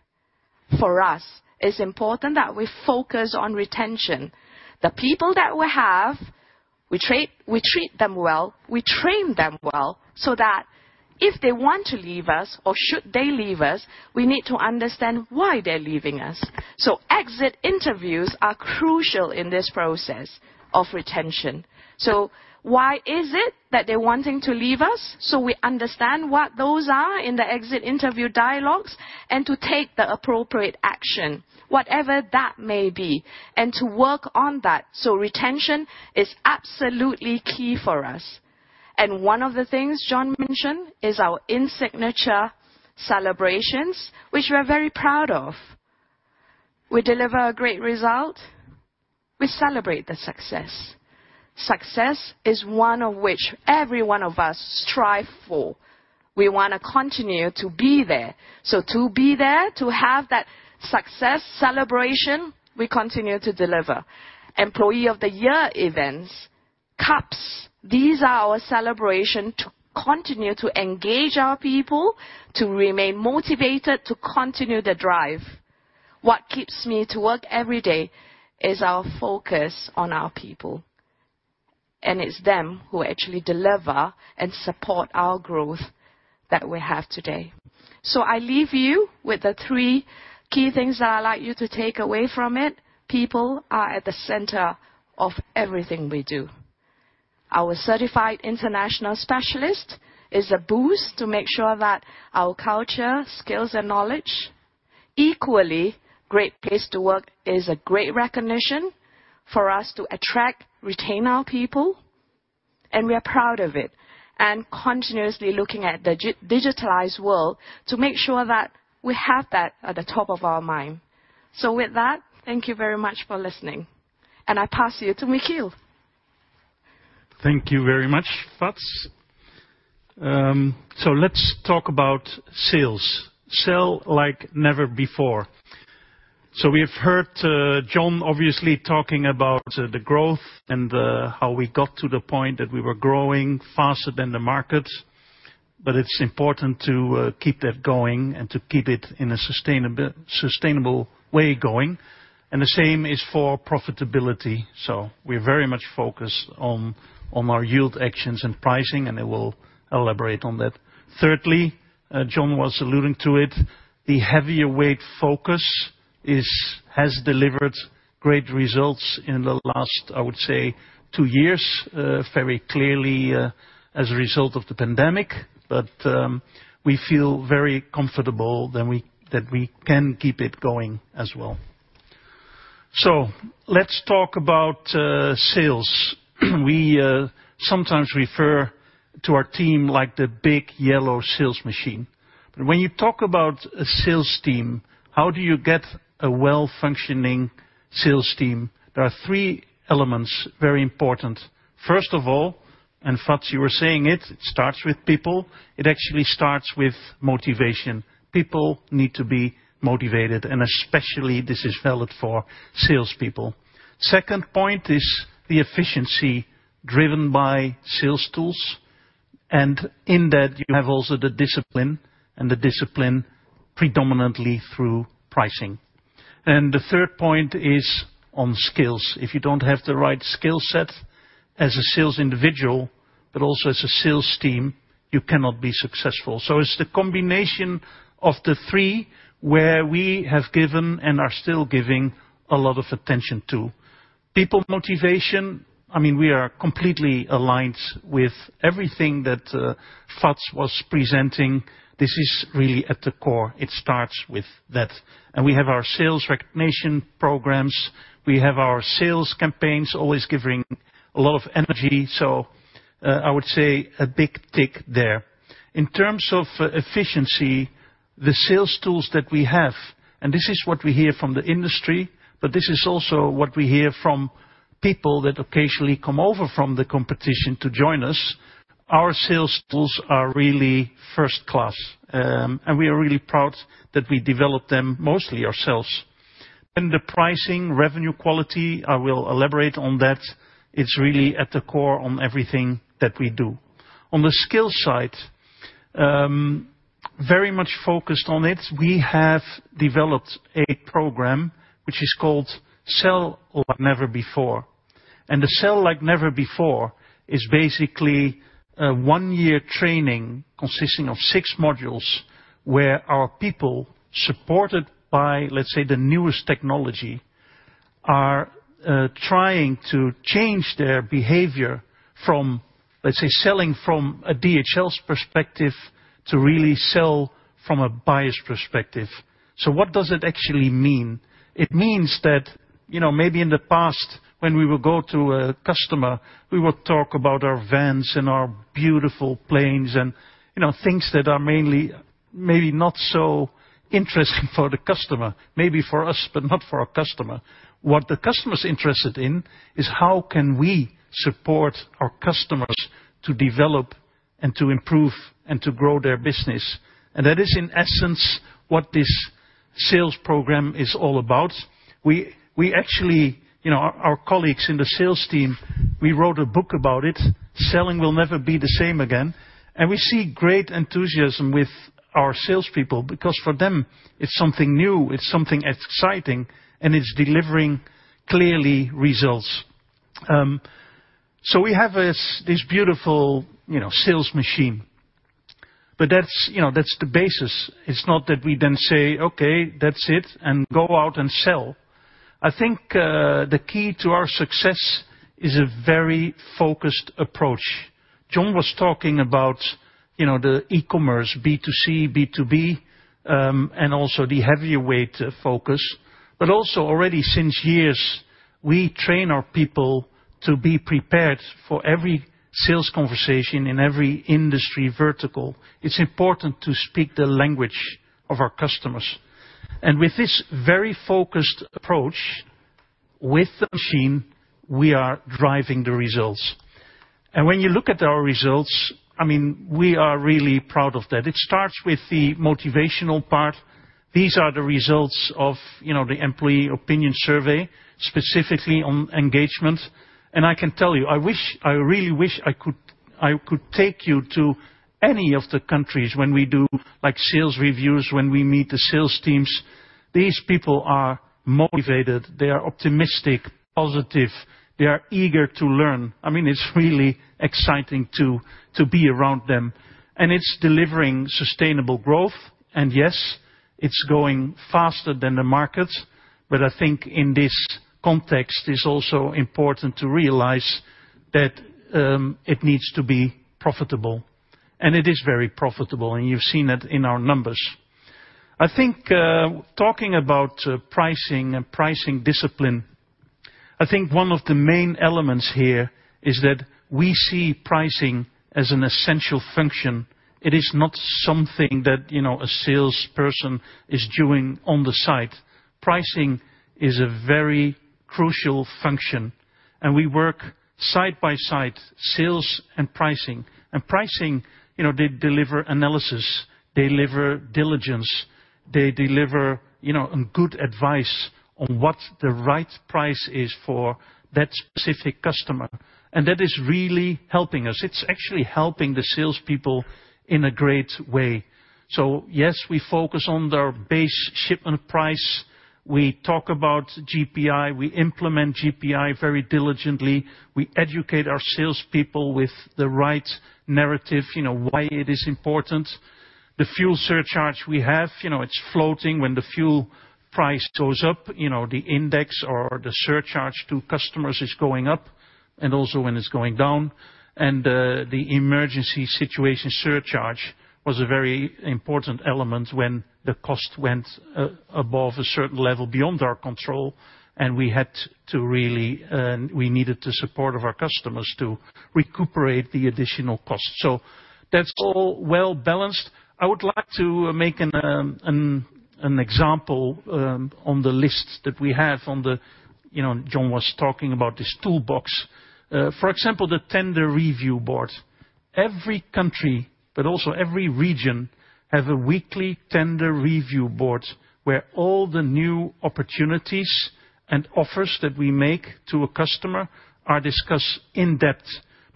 For us, it's important that we focus on retention. The people that we have, we treat them well, we train them well, so that if they want to leave us or should they leave us, we need to understand why they're leaving us. Exit interviews are crucial in this process of retention. Why is it that they're wanting to leave us? We understand what those are in the exit interview dialogues and to take the appropriate action, whatever that may be, and to work on that. Retention is absolutely key for us. One of the things John mentioned is our InSignature celebrations, which we're very proud of. We deliver a great result, we celebrate the success. Success is one which every one of us strive for. We wanna continue to be there. To be there, to have that success celebration, we continue to deliver. Employee of the Year events, cups, these are our celebrations to continue to engage our people, to remain motivated, to continue the drive. What keeps me at work every day is our focus on our people. It's them who actually deliver and support our growth that we have today. I leave you with the three key things that I'd like you to take away from it. People are at the center of everything we do. Our Certified International Specialist is a boost to make sure that our culture, skills, and knowledge. Equally, Great Place to Work is a great recognition for us to attract, retain our people, and we are proud of it, and continuously looking at the digitized world to make sure that we have that at the top of our mind. With that, thank you very much for listening, and I pass you to. Thank you very much, Fazlin. Let's talk about sales. Sell Like Never Before. We've heard John obviously talking about the growth and how we got to the point that we were growing faster than the market, but it's important to keep that going and to keep it in a sustainable way going, and the same is for profitability. We very much focus on our yield actions and pricing, and I will elaborate on that. Thirdly, John was alluding to it, the heavier weight focus has delivered great results in the last, I would say two years, very clearly, as a result of the pandemic, but we feel very comfortable that we can keep it going as well. Let's talk about sales. We sometimes refer to our team like the big yellow sales machine, but when you talk about a sales team, how do you get a well-functioning sales team? There are three elements, very important. First of all, and Fazlin you were saying it starts with people. It actually starts with motivation. People need to be motivated, and especially this is valid for salespeople. Second point is the efficiency driven by sales tools, and in that you have also the discipline, and the discipline predominantly through pricing. The third point is on skills. If you don't have the right skill set as a sales individual, but also as a sales team, you cannot be successful. It's the combination of the three where we have given and are still giving a lot of attention to. People motivation, I mean, we are completely aligned with everything that Fazlin was presenting. This is really at the core. It starts with that. We have our sales recognition programs, we have our sales campaigns, always giving a lot of energy. I would say a big tick there. In terms of efficiency, the sales tools that we have, and this is what we hear from the industry, but this is also what we hear from people that occasionally come over from the competition to join us. Our sales tools are really first-class, and we are really proud that we develop them mostly ourselves. The pricing revenue quality, I will elaborate on that. It's really at the core on everything that we do. On the skills side, very much focused on it. We have developed a program which is called Sell Like Never Before. The Sell Like Never Before is basically a one-year training consisting of six modules where our people supported by, let's say, the newest technology, are trying to change their behavior from, let's say, selling from a DHL's perspective to really sell from a buyer's perspective. What does it actually mean? It means that, you know, maybe in the past when we would go to a customer, we would talk about our vans and our beautiful planes and, you know, things that are mainly maybe not so interesting for the customer, maybe for us, but not for our customer. What the customer's interested in is how can we support our customers to develop and to improve and to grow their business. That is in essence what this sales program is all about. We actually, you know, our colleagues in the sales team wrote a book about it, Selling Will Never Be the Same Again, and we see great enthusiasm with our salespeople because for them it's something new, it's something exciting, and it's delivering clearly results. We have this beautiful, you know, sales machine, but that's the basis. It's not that we then say, "Okay, that's it, and go out and sell." I think the key to our success is a very focused approach. John was talking about, you know, the e-commerce, B2C, B2B, and also the heavier weight focus. Already since years, we train our people to be prepared for every sales conversation in every industry vertical. It's important to speak the language of our customers. With this very focused approach, with the machine, we are driving the results. When you look at our results, I mean, we are really proud of that. It starts with the motivational part. These are the results of, you know, the employee opinion survey, specifically on engagement. I can tell you, I wish I could take you to any of the countries when we do like sales reviews, when we meet the sales teams, these people are motivated, they are optimistic, positive, they are eager to learn. I mean, it's really exciting to be around them and it's delivering sustainable growth. Yes, it's growing faster than the market. But I think in this context, it's also important to realize that it needs to be profitable. It is very profitable, and you've seen it in our numbers. I think talking about pricing and pricing discipline, I think one of the main elements here is that we see pricing as an essential function. It is not something that, you know, a salesperson is doing on the side. Pricing is a very crucial function, and we work side by side, sales and pricing. Pricing, you know, they deliver analysis, deliver diligence. They deliver, you know, good advice on what the right price is for that specific customer. That is really helping us. It's actually helping the salespeople in a great way. Yes, we focus on the base shipment price. We talk about GPI. We implement GPI very diligently. We educate our salespeople with the right narrative, you know, why it is important. The fuel surcharge we have, you know, it's floating. When the fuel price goes up, you know, the index or the surcharge to customers is going up, and also when it's going down. The emergency situation surcharge was a very important element when the cost went above a certain level beyond our control, and we needed the support of our customers to recuperate the additional cost. That's all well-balanced. I would like to make an example on the list that we have on the. You know, John was talking about this toolbox. For example, the tender review board. Every country, but also every region, have a weekly tender review board where all the new opportunities and offers that we make to a customer are discussed in depth.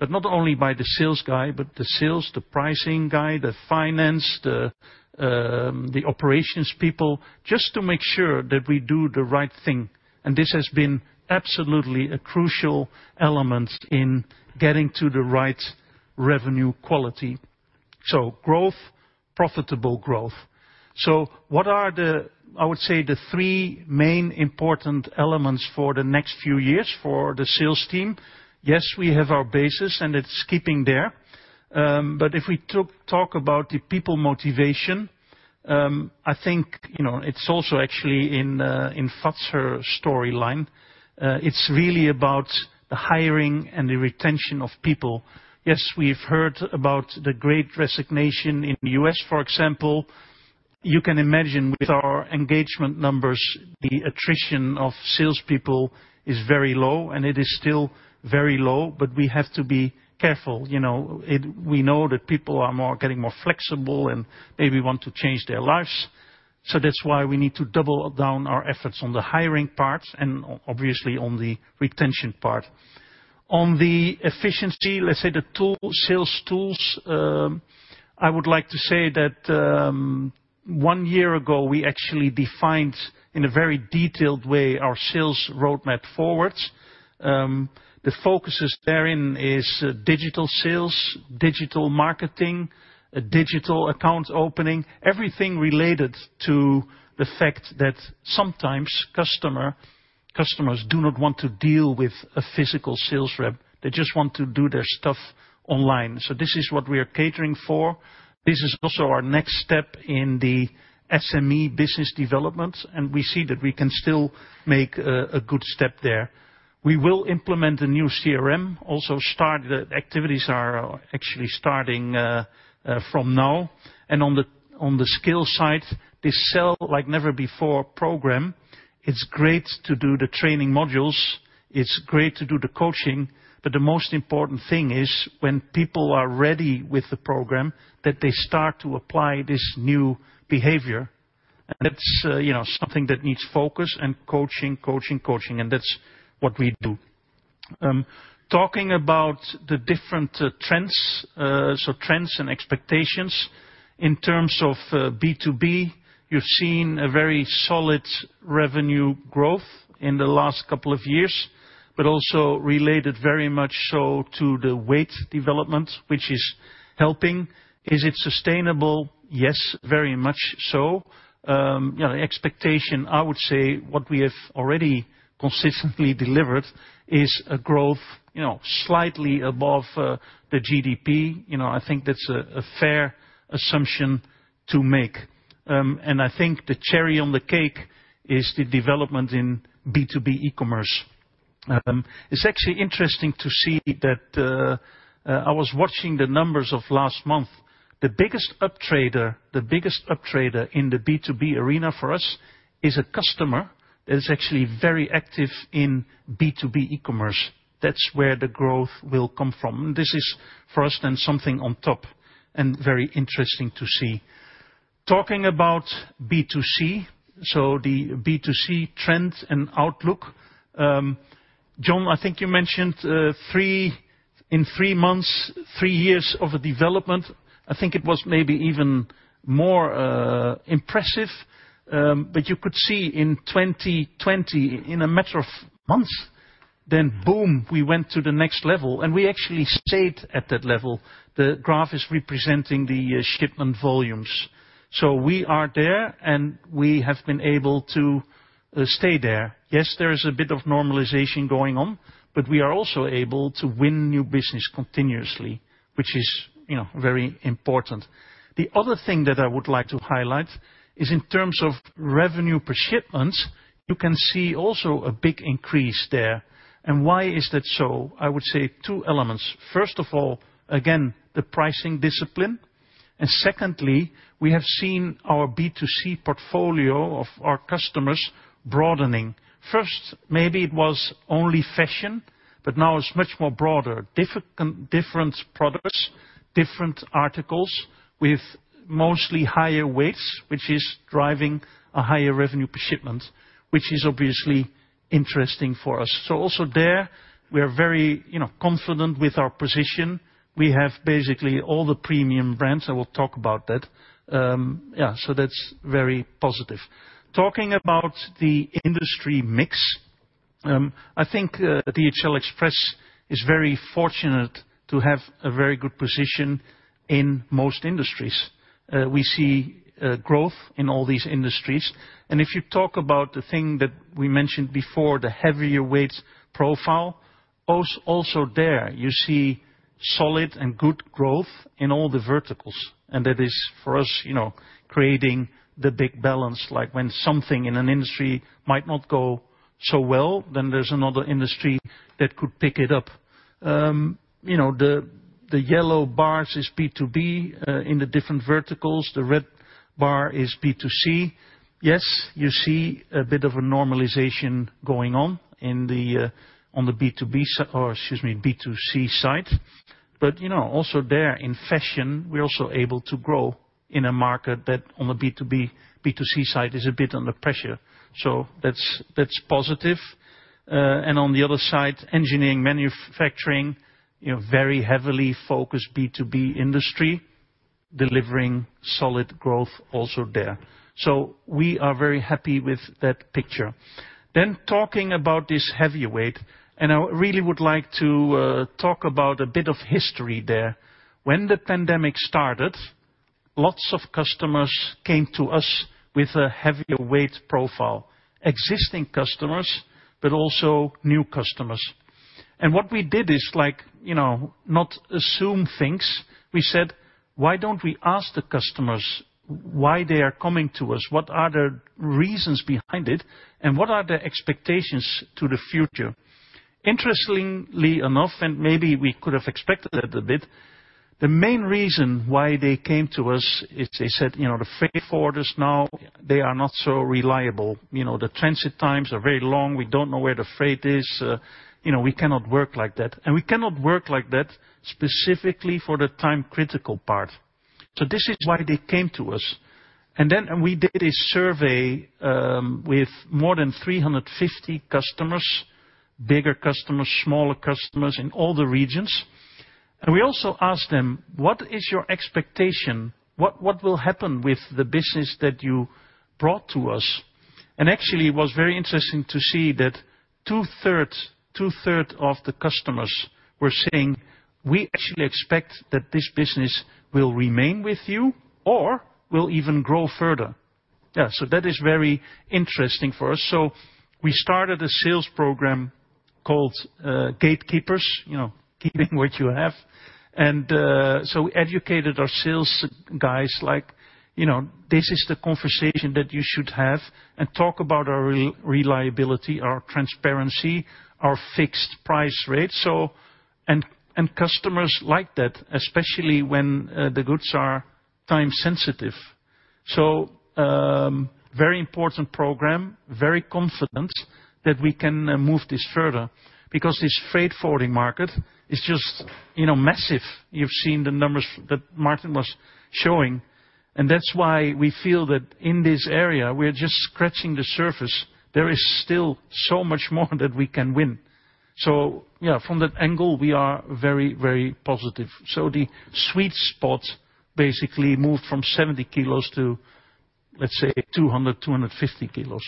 Not only by the sales guy, but the sales, the pricing guy, the finance, the operations people, just to make sure that we do the right thing. This has been absolutely a crucial element in getting to the right revenue quality. Growth, profitable growth. What are the, I would say, the three main important elements for the next few years for the sales team? Yes, we have our basis, and it's keeping there. Talk about the people motivation, I think, you know, it's also actually in Fazlin's storyline. It's really about the hiring and the retention of people. Yes, we've heard about the great resignation in the U.S., for example. You can imagine with our engagement numbers, the attrition of salespeople is very low, and it is still very low, but we have to be careful, you know. We know that people are getting more flexible and maybe want to change their lives. That's why we need to double down our efforts on the hiring part and obviously on the retention part. On the efficiency, let's say the tool, sales tools, I would like to say that, one year ago, we actually defined in a very detailed way our sales roadmap forwards. The focuses therein is, digital sales, digital marketing, a digital account opening, everything related to the fact that sometimes customers do not want to deal with a physical sales rep. They just want to do their stuff online. This is what we are catering for. This is also our next step in the SME business development, and we see that we can still make a good step there. We will implement a new CRM. The activities are actually starting from now. On the skill side, the Sell Like Never Before program, it's great to do the training modules, it's great to do the coaching, but the most important thing is when people are ready with the program, that they start to apply this new behavior. That's you know, something that needs focus and coaching, and that's what we do. Talking about the different trends and expectations. In terms of B2B, you've seen a very solid revenue growth in the last couple of years, but also related very much so to the weight development, which is helping. Is it sustainable? Yes, very much so. You know, the expectation, I would say what we have already consistently delivered is a growth, you know, slightly above the GDP. You know, I think that's a fair assumption to make. I think the cherry on the cake is the development in B2B e-commerce. It's actually interesting to see that I was watching the numbers of last month. The biggest up-trader in the B2B arena for us is a customer that is actually very active in B2B e-commerce. That's where the growth will come from. This is for us then something on top and very interesting to see. Talking about B2C, the B2C trends and outlook. John, I think you mentioned three in three months, three years of development. I think it was maybe even more impressive, but you could see in 2020, in a matter of months, then boom, we went to the next level, and we actually stayed at that level. The graph is representing the shipment volumes. So we are there, and we have been able to stay there. Yes, there is a bit of normalization going on, but we are also able to win new business continuously, which is, you know, very important. The other thing that I would like to highlight is in terms of revenue per shipments. You can see also a big increase there. Why is that so? I would say two elements. First of all, again, the pricing discipline. Secondly, we have seen our B2C portfolio of our customers broadening. First, maybe it was only fashion, but now it's much more broader. Different products, different articles with mostly higher weights, which is driving a higher revenue per shipment, which is obviously interesting for us. Also there, we are very, you know, confident with our position. We have basically all the premium brands, I will talk about that. That's very positive. Talking about the industry mix, I think, DHL Express is very fortunate to have a very good position in most industries. We see growth in all these industries. If you talk about the thing that we mentioned before, the heavier weights profile, also there, you see solid and good growth in all the verticals. That is for us, you know, creating the big balance, like when something in an industry might not go so well, then there's another industry that could pick it up. You know, the yellow bars is B2B in the different verticals. The red bar is B2C. Yes, you see a bit of a normalization going on in the B2C side. You know, also there in fashion, we're also able to grow in a market that on the B2B, B2C side is a bit under pressure. That's positive. On the other side, engineering, manufacturing, you know, very heavily focused B2B industry, delivering solid growth also there. We are very happy with that picture. Talking about this heavier weight, and I really would like to talk about a bit of history there. When the pandemic started, lots of customers came to us with a heavier weight profile, existing customers, but also new customers. What we did is like, you know, not assume things. We said, "Why don't we ask the customers why they are coming to us? What are the reasons behind it, and what are their expectations to the future?" Interestingly enough, maybe we could have expected that a bit, the main reason why they came to us is they said, "You know, the freight forwarders now, they are not so reliable. You know, the transit times are very long. We don't know where the freight is. You know, we cannot work like that. And we cannot work like that specifically for the time-critical part." This is why they came to us. Then we did a survey with more than 350 customers, bigger customers, smaller customers in all the regions. We also asked them, "What is your expectation? What will happen with the business that you brought to us?" Actually, it was very interesting to see that two-thirds of the customers were saying, "We actually expect that this business will remain with you or will even grow further." Yeah, that is very interesting for us. We started a sales program called Gatekeepers, you know, keeping what you have. We educated our sales guys like, you know, this is the conversation that you should have, and talk about our reliability, our transparency, our fixed price rates. Customers like that, especially when the goods are time-sensitive. Very important program, very confident that we can move this further because this freight forwarding market is just, you know, massive. You've seen the numbers that Martin was showing, and that's why we feel that in this area we're just scratching the surface. There is still so much more that we can win. Yeah, from that angle, we are very, very positive. The sweet spot basically moved from 70 kilos to, let's say, 200-250 kilos.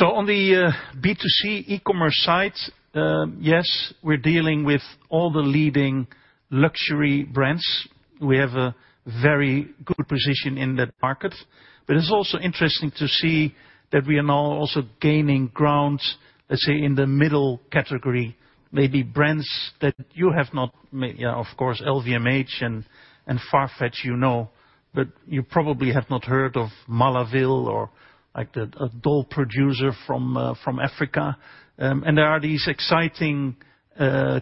On the B2C e-commerce side, yes, we're dealing with all the leading luxury brands. We have a very good position in that market. But it's also interesting to see that we are now also gaining ground, let's say, in the middle category, maybe brands that you have not—yeah, of course, LVMH and Farfetch, you know. You probably have not heard of Malaville Toys or like the a doll producer from Africa. There are these exciting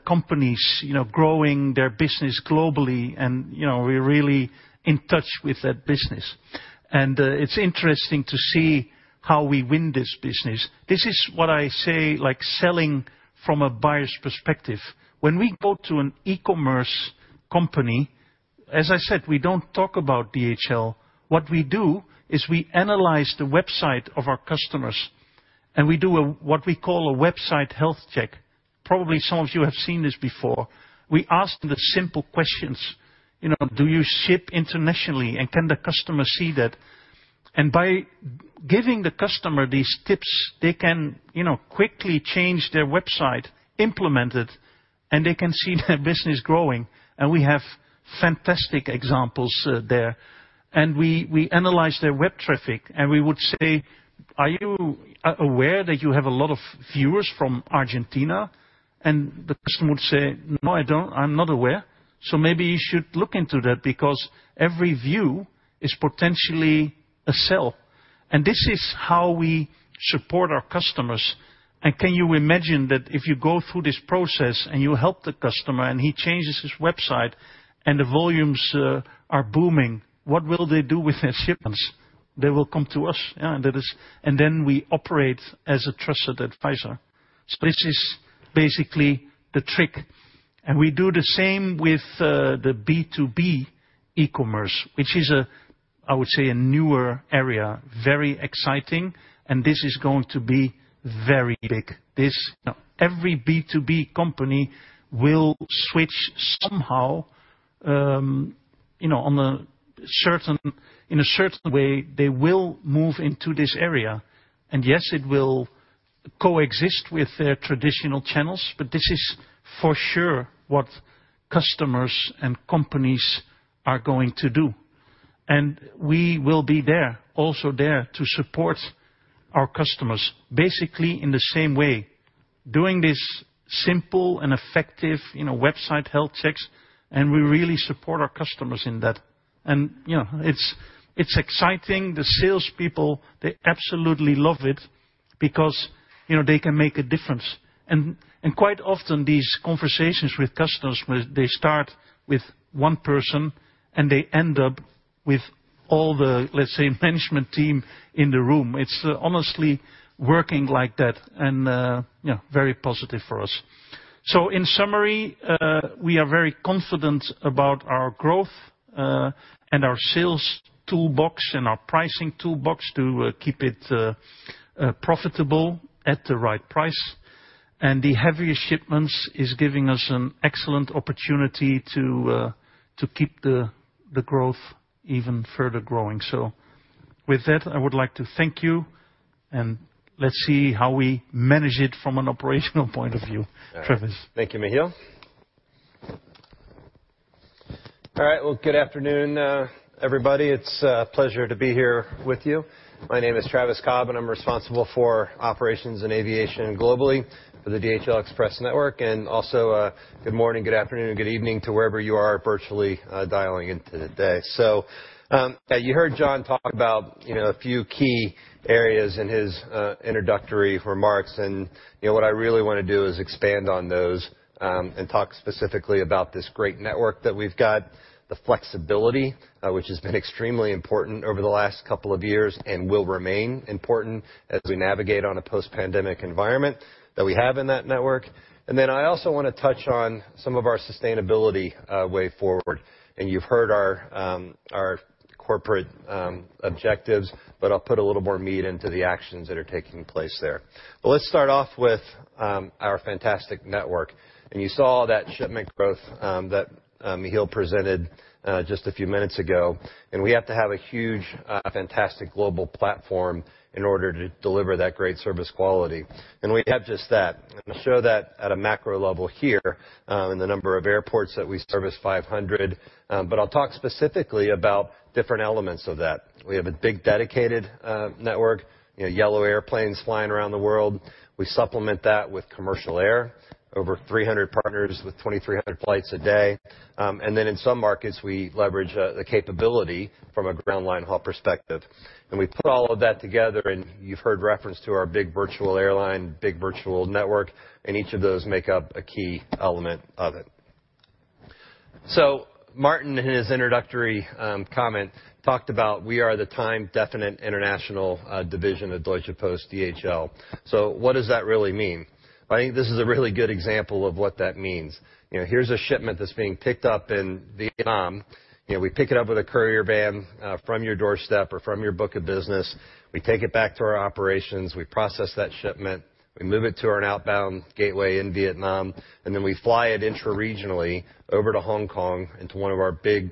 companies, you know, growing their business globally and, you know, we're really in touch with that business. It's interesting to see how we win this business. This is what I say, like selling from a buyer's perspective. When we go to an e-commerce company. As I said, we don't talk about DHL. What we do is we analyze the website of our customers, and we do a, what we call a website health check. Probably some of you have seen this before. We ask them the simple questions, you know, do you ship internationally, and can the customer see that? By giving the customer these tips, they can, you know, quickly change their website, implement it, and they can see their business growing. We have fantastic examples there. We analyze their web traffic, and we would say, "Are you aware that you have a lot of viewers from Argentina?" The customer would say, "No, I don't. I'm not aware." Maybe you should look into that because every view is potentially a sale. This is how we support our customers. Can you imagine that if you go through this process and you help the customer and he changes his website and the volumes are booming, what will they do with their shipments? They will come to us. Yeah, that is. We operate as a trusted advisor. This is basically the trick. We do the same with the B2B e-commerce, which is, I would say, a newer area. Very exciting, and this is going to be very big. Every B2B company will switch somehow, you know, in a certain way. They will move into this area. Yes, it will coexist with their traditional channels, but this is for sure what customers and companies are going to do. We will be there, also there to support our customers, basically in the same way, doing this simple and effective, you know, website health checks, and we really support our customers in that. You know, it's exciting. The salespeople, they absolutely love it because, you know, they can make a difference. Quite often these conversations with customers, they start with one person, and they end up with all the, let's say, management team in the room. It's honestly working like that, yeah, very positive for us. In summary, we are very confident about our growth, and our sales toolbox and our pricing toolbox to keep it profitable at the right price. The heavier shipments is giving us an excellent opportunity to keep the growth even further growing. With that, I would like to thank you, and let's see how we manage it from an operational point of view. Travis. Thank you, Michiel. All right. Well, good afternoon, everybody. It's a pleasure to be here with you. My name is Travis Cobb, and I'm responsible for operations and aviation globally for the DHL Express network. Good morning, good afternoon, good evening to wherever you are virtually dialing in today. You heard John talk about, you know, a few key areas in his introductory remarks. You know, what I really wanna do is expand on those and talk specifically about this great network that we've got, the flexibility, which has been extremely important over the last couple of years and will remain important as we navigate on a post-pandemic environment that we have in that network. I also wanna touch on some of our sustainability way forward. You've heard our corporate objectives, but I'll put a little more meat into the actions that are taking place there. Let's start off with our fantastic network. You saw that shipment growth that Michiel presented just a few minutes ago. We have to have a huge fantastic global platform in order to deliver that great service quality. We have just that. I'm gonna show that at a macro level here in the number of airports that we service, 500. I'll talk specifically about different elements of that. We have a big dedicated network, you know, yellow airplanes flying around the world. We supplement that with commercial air, over 300 partners with 2,300 flights a day. In some markets, we leverage the capability from a ground line haul perspective. We put all of that together, and you've heard reference to our big virtual airline, big virtual network, and each of those make up a key element of it. Martin, in his introductory comment, talked about we are the time definite international division of Deutsche Post DHL. What does that really mean? I think this is a really good example of what that means. You know, here's a shipment that's being picked up in Vietnam. You know, we pick it up with a courier van from your doorstep or from your book of business. We take it back to our operations. We process that shipment. We move it to our outbound gateway in Vietnam, and then we fly it intra-regionally over to Hong Kong into one of our big,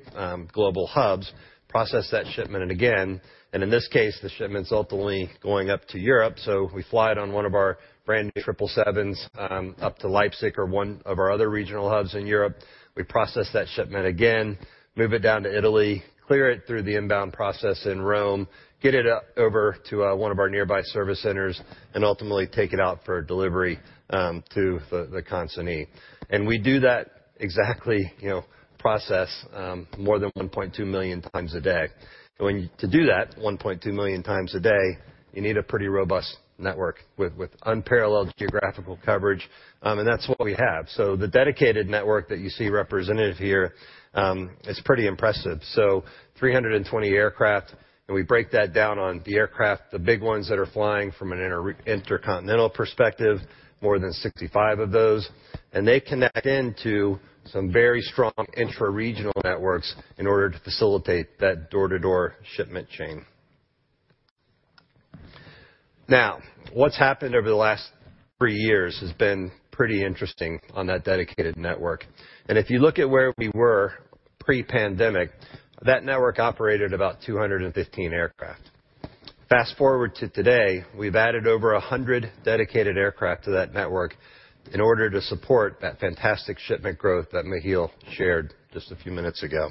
global hubs, process that shipment again. In this case, the shipment's ultimately going up to Europe. We fly it on one of our brand-new triple sevens up to Leipzig or one of our other regional hubs in Europe. We process that shipment again, move it down to Italy, clear it through the inbound process in Rome, get it over to one of our nearby service centers, and ultimately take it out for delivery to the consignee. We do that exact process, you know, more than 1.2 million times a day. To do that 1.2 million times a day, you need a pretty robust network with unparalleled geographical coverage. That's what we have. The dedicated network that you see represented here is pretty impressive. 320 aircraft, and we break that down on the aircraft, the big ones that are flying from an intercontinental perspective, more than 65 of those. They connect into some very strong intra-regional networks in order to facilitate that door-to-door shipment chain. Now, what's happened over the last three years has been pretty interesting on that dedicated network. If you look at where we were pre-pandemic, that network operated about 215 aircraft. Fast-forward to today, we've added over 100 dedicated aircraft to that network in order to support that fantastic shipment growth that Michiel shared just a few minutes ago.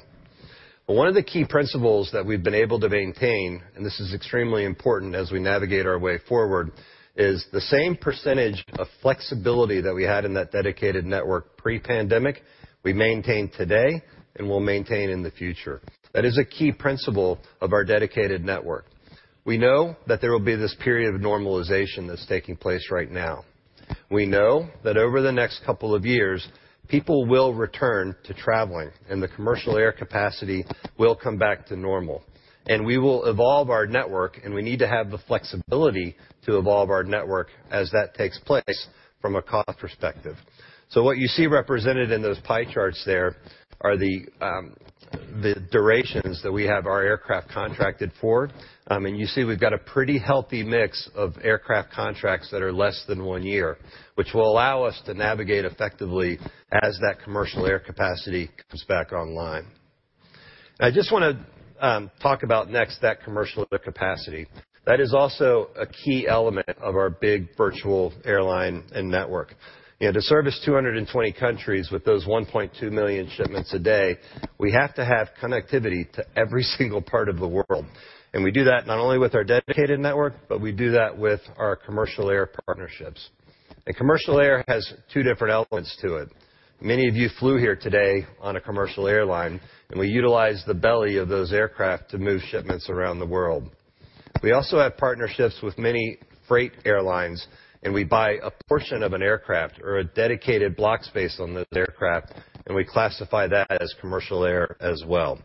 One of the key principles that we've been able to maintain, and this is extremely important as we navigate our way forward, is the same percentage of flexibility that we had in that dedicated network pre-pandemic we maintain today and will maintain in the future. That is a key principle of our dedicated network. We know that there will be this period of normalization that's taking place right now. We know that over the next couple of years, people will return to traveling and the commercial air capacity will come back to normal, and we will evolve our network, and we need to have the flexibility to evolve our network as that takes place from a cost perspective. What you see represented in those pie charts there are the the durations that we have our aircraft contracted for. You see we've got a pretty healthy mix of aircraft contracts that are less than one year, which will allow us to navigate effectively as that commercial air capacity comes back online. I just wanna talk about next that commercial capacity. That is also a key element of our big virtual airline and network. You know, to service 220 countries with those 1.2 million shipments a day, we have to have connectivity to every single part of the world. We do that not only with our dedicated network, but we do that with our commercial air partnerships. Commercial air has two different elements to it. Many of you flew here today on a commercial airline, and we utilize the belly of those aircraft to move shipments around the world. We also have partnerships with many freight airlines, and we buy a portion of an aircraft or a dedicated block space on those aircraft, and we classify that as commercial air as well.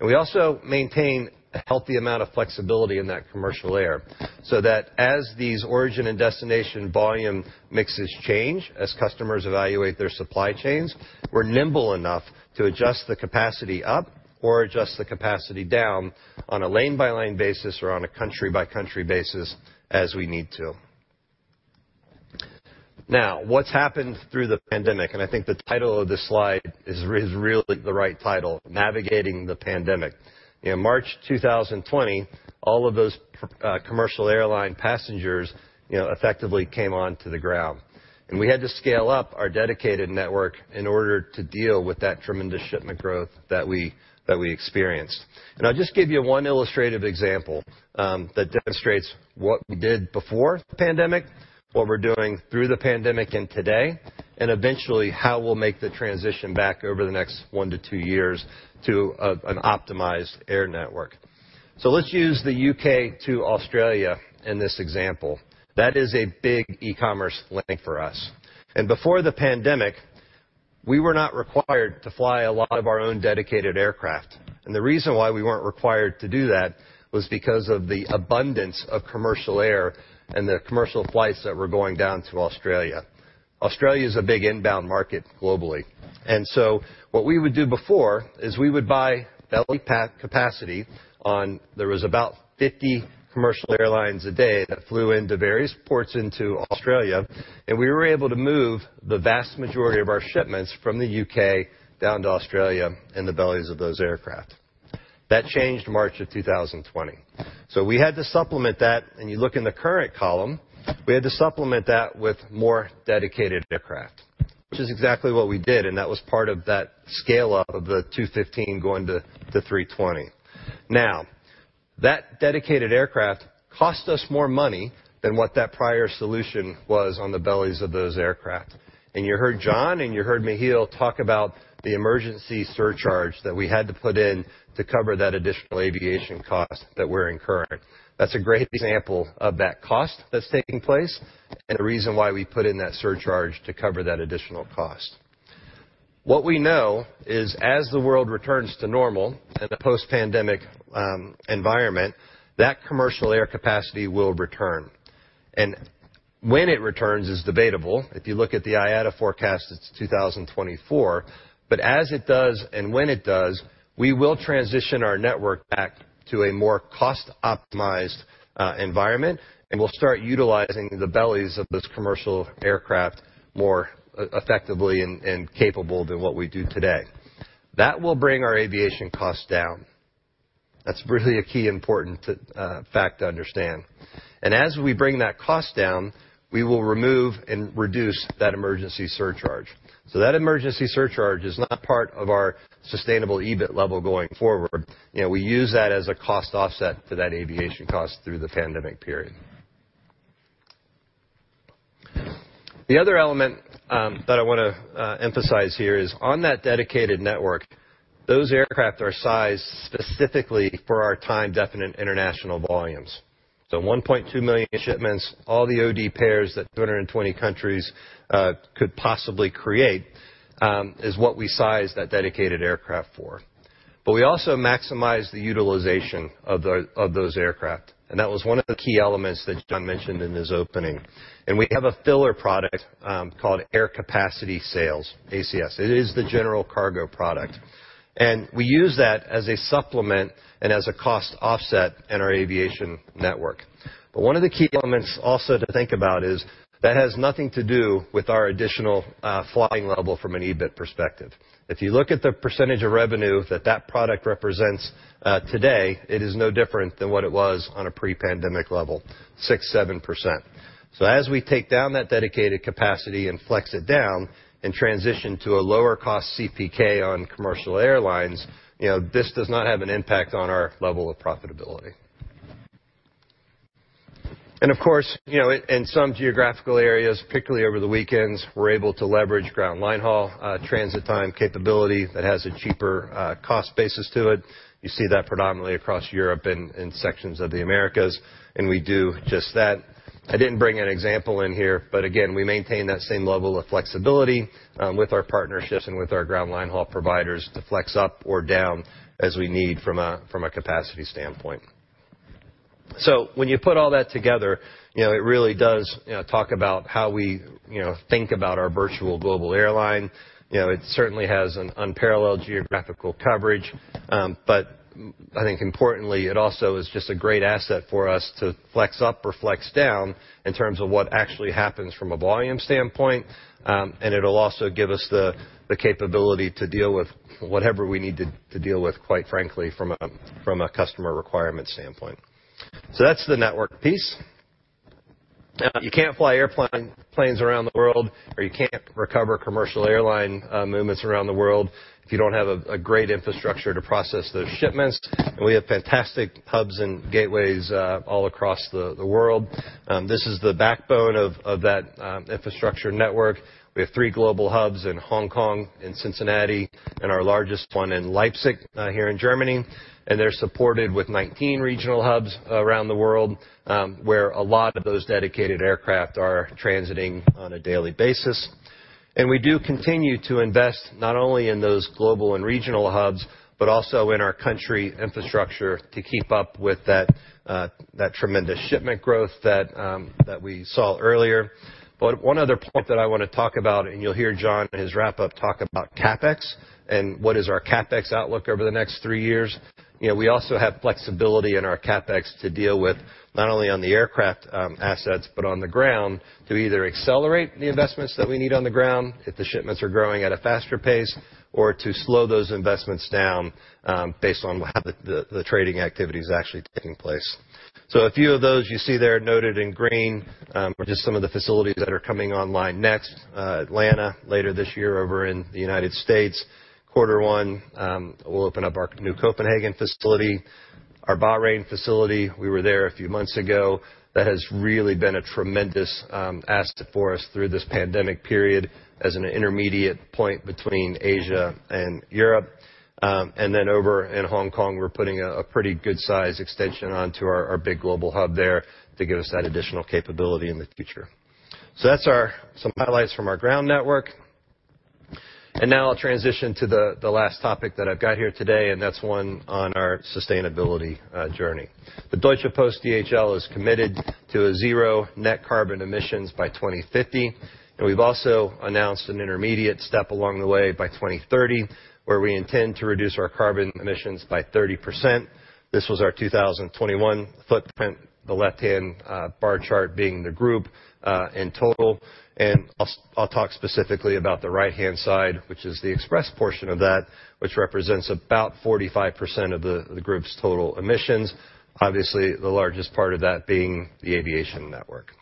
We also maintain a healthy amount of flexibility in that commercial air, so that as these origin and destination volume mixes change, as customers evaluate their supply chains, we're nimble enough to adjust the capacity up or adjust the capacity down on a lane-by-lane basis or on a country-by-country basis as we need to. Now, what's happened through the pandemic, and I think the title of this slide is really the right title, Navigating the Pandemic. In March 2020, all of those commercial airline passengers, you know, effectively came onto the ground. We had to scale up our dedicated network in order to deal with that tremendous shipment growth that we experienced. I'll just give you one illustrative example that demonstrates what we did before the pandemic, what we're doing through the pandemic and today, and eventually how we'll make the transition back over the next one to two years to an optimized air network. Let's use the UK to Australia in this example. That is a big e-commerce link for us. Before the pandemic, we were not required to fly a lot of our own dedicated aircraft. The reason why we weren't required to do that was because of the abundance of commercial air and the commercial flights that were going down to Australia. Australia is a big inbound market globally. What we would do before is we would buy belly pack capacity on. There was about 50 commercial airlines a day that flew into various ports into Australia, and we were able to move the vast majority of our shipments from the UK down to Australia in the bellies of those aircraft. That changed March 2020. We had to supplement that, and you look in the current column, we had to supplement that with more dedicated aircraft, which is exactly what we did, and that was part of that scale-up of the 215 going to 320. Now, that dedicated aircraft cost us more money than what that prior solution was on the bellies of those aircraft. You heard John and you heard Michiel talk about the emergency surcharge that we had to put in to cover that additional aviation cost that we're incurring. That's a great example of that cost that's taking place and the reason why we put in that surcharge to cover that additional cost. What we know is as the world returns to normal in a post-pandemic environment, that commercial air capacity will return. When it returns is debatable. If you look at the IATA forecast, it's 2024. As it does and when it does, we will transition our network back to a more cost-optimized environment, and we'll start utilizing the bellies of this commercial aircraft more effectively and capable than what we do today. That will bring our aviation costs down. That's really a key important fact to understand. As we bring that cost down, we will remove and reduce that emergency surcharge. That emergency surcharge is not part of our sustainable EBIT level going forward. You know, we use that as a cost offset to that aviation cost through the pandemic period. The other element that I wanna emphasize here is on that dedicated network, those aircraft are sized specifically for our time-definite international volumes. 1.2 million shipments, all the O&D pairs that 320 countries could possibly create, is what we size that dedicated aircraft for. But we also maximize the utilization of those aircraft, and that was one of the key elements that John mentioned in his opening. We have a filler product, called Air Capacity Sales, ACS. It is the general cargo product. We use that as a supplement and as a cost offset in our aviation network. One of the key elements also to think about is that has nothing to do with our additional flying level from an EBIT perspective. If you look at the percentage of revenue that that product represents, today, it is no different than what it was on a pre-pandemic level, 6%-7%. As we take down that dedicated capacity and flex it down and transition to a lower cost CPK on commercial airlines, you know, this does not have an impact on our level of profitability. Of course, you know, in some geographical areas, particularly over the weekends, we're able to leverage ground line haul transit time capability that has a cheaper cost basis to it. You see that predominantly across Europe and sections of the Americas, and we do just that. I didn't bring an example in here, but again, we maintain that same level of flexibility with our partnerships and with our ground line haul providers to flex up or down as we need from a capacity standpoint. When you put all that together, you know, it really does, you know, talk about how we, you know, think about our virtual global airline. You know, it certainly has an unparalleled geographical coverage. But I think importantly, it also is just a great asset for us to flex up or flex down in terms of what actually happens from a volume standpoint. It'll also give us the capability to deal with whatever we need to deal with, quite frankly, from a customer requirement standpoint. That's the network piece. Now you can't fly airplanes around the world, or you can't recover commercial airline movements around the world if you don't have a great infrastructure to process those shipments. We have fantastic hubs and gateways all across the world. This is the backbone of that infrastructure network. We have three global hubs in Hong Kong, in Cincinnati, and our largest one in Leipzig here in Germany. They're supported with 19 regional hubs around the world, where a lot of those dedicated aircraft are transiting on a daily basis. We do continue to invest not only in those global and regional hubs, but also in our country infrastructure to keep up with that tremendous shipment growth that we saw earlier. One other point that I wanna talk about, and you'll hear John in his wrap up talk about CapEx and what is our CapEx outlook over the next three years. You know, we also have flexibility in our CapEx to deal with not only on the aircraft assets, but on the ground, to either accelerate the investments that we need on the ground if the shipments are growing at a faster pace or to slow those investments down, based on how the trading activity is actually taking place. A few of those you see there noted in green are just some of the facilities that are coming online next. Atlanta, later this year over in the United States. Quarter one, we'll open up our new Copenhagen facility. Our Bahrain facility, we were there a few months ago. That has really been a tremendous asset for us through this pandemic period as an intermediate point between Asia and Europe. Over in Hong Kong, we're putting a pretty good size extension onto our big global hub there to give us that additional capability in the future. That's some highlights from our ground network. Now I'll transition to the last topic that I've got here today, and that's one on our sustainability journey. The Deutsche Post DHL is committed to zero net carbon emissions by 2050, and we've also announced an intermediate step along the way by 2030, where we intend to reduce our carbon emissions by 30%. This was our 2021 footprint, the left-hand bar chart being the group in total. I'll talk specifically about the right-hand side, which is the express portion of that, which represents about 45% of the group's total emissions. Obviously, the largest part of that being the aviation network.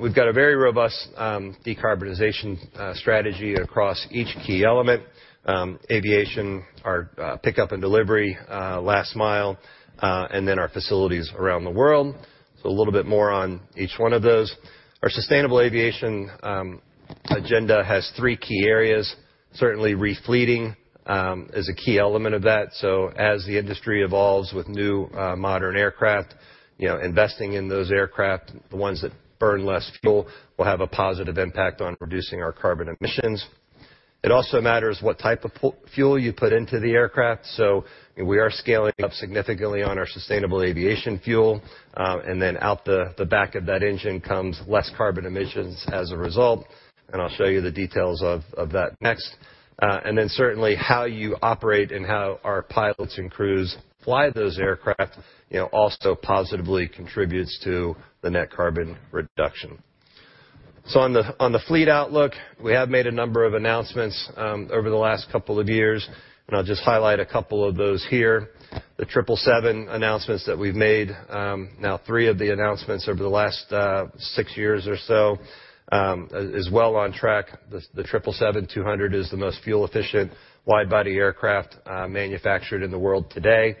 We've got a very robust decarbonization strategy across each key element, aviation, our pickup and delivery last mile, and then our facilities around the world. A little bit more on each one of those. Our sustainable aviation agenda has three key areas. Certainly, re-fleeting is a key element of that. As the industry evolves with new modern aircraft, you know, investing in those aircraft, the ones that burn less fuel, will have a positive impact on reducing our carbon emissions. It also matters what type of fuel you put into the aircraft, so we are scaling up significantly on our sustainable aviation fuel, and then out the back of that engine comes less carbon emissions as a result, and I'll show you the details of that next. Certainly how you operate and how our pilots and crews fly those aircraft, you know, also positively contributes to the net carbon reduction. On the fleet outlook, we have made a number of announcements over the last couple of years, and I'll just highlight a couple of those here. The Boeing 777 announcements that we've made, now 3 of the announcements over the last 6 years or so, is well on track. The Boeing 777-200 is the most fuel-efficient wide-body aircraft manufactured in the world today.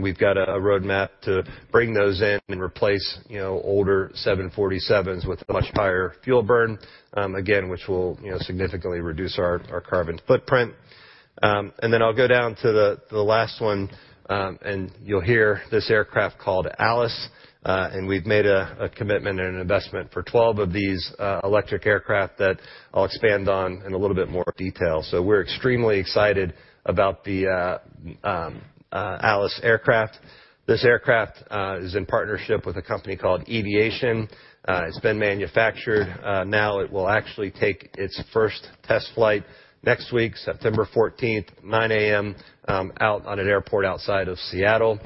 We've got a roadmap to bring those in and replace, you know, older Boeing 747s with a much higher fuel burn, again, which will, you know, significantly reduce our carbon footprint. Then I'll go down to the last one, and you'll hear this aircraft called Alice, and we've made a commitment and an investment for 12 of these electric aircraft that I'll expand on in a little bit more detail. We're extremely excited about the Alice aircraft. This aircraft is in partnership with a company called Eviation. It's been manufactured. Now it will actually take its first test flight next week, September fourteenth, 9 A.M., out on an airport outside of Seattle.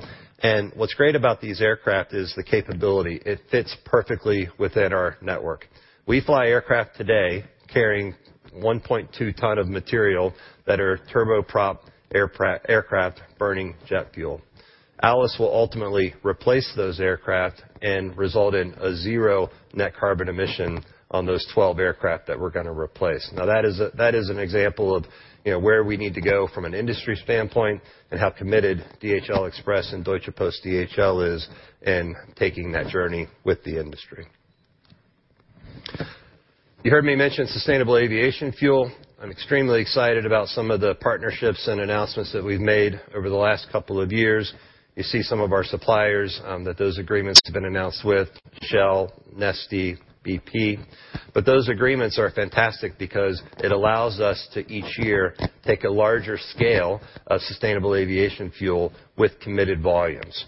What's great about these aircraft is the capability. It fits perfectly within our network. We fly aircraft today carrying 1.2 ton of material that are turboprop aircraft burning jet fuel. Alice will ultimately replace those aircraft and result in a zero net carbon emission on those 12 aircraft that we're gonna replace. That is an example of, you know, where we need to go from an industry standpoint and how committed DHL Express and Deutsche Post DHL is in taking that journey with the industry. You heard me mention sustainable aviation fuel. I'm extremely excited about some of the partnerships and announcements that we've made over the last couple of years. You see some of our suppliers that agreements have been announced with, Shell, Neste, BP. Those agreements are fantastic because it allows us to each year take a larger scale of sustainable aviation fuel with committed volumes.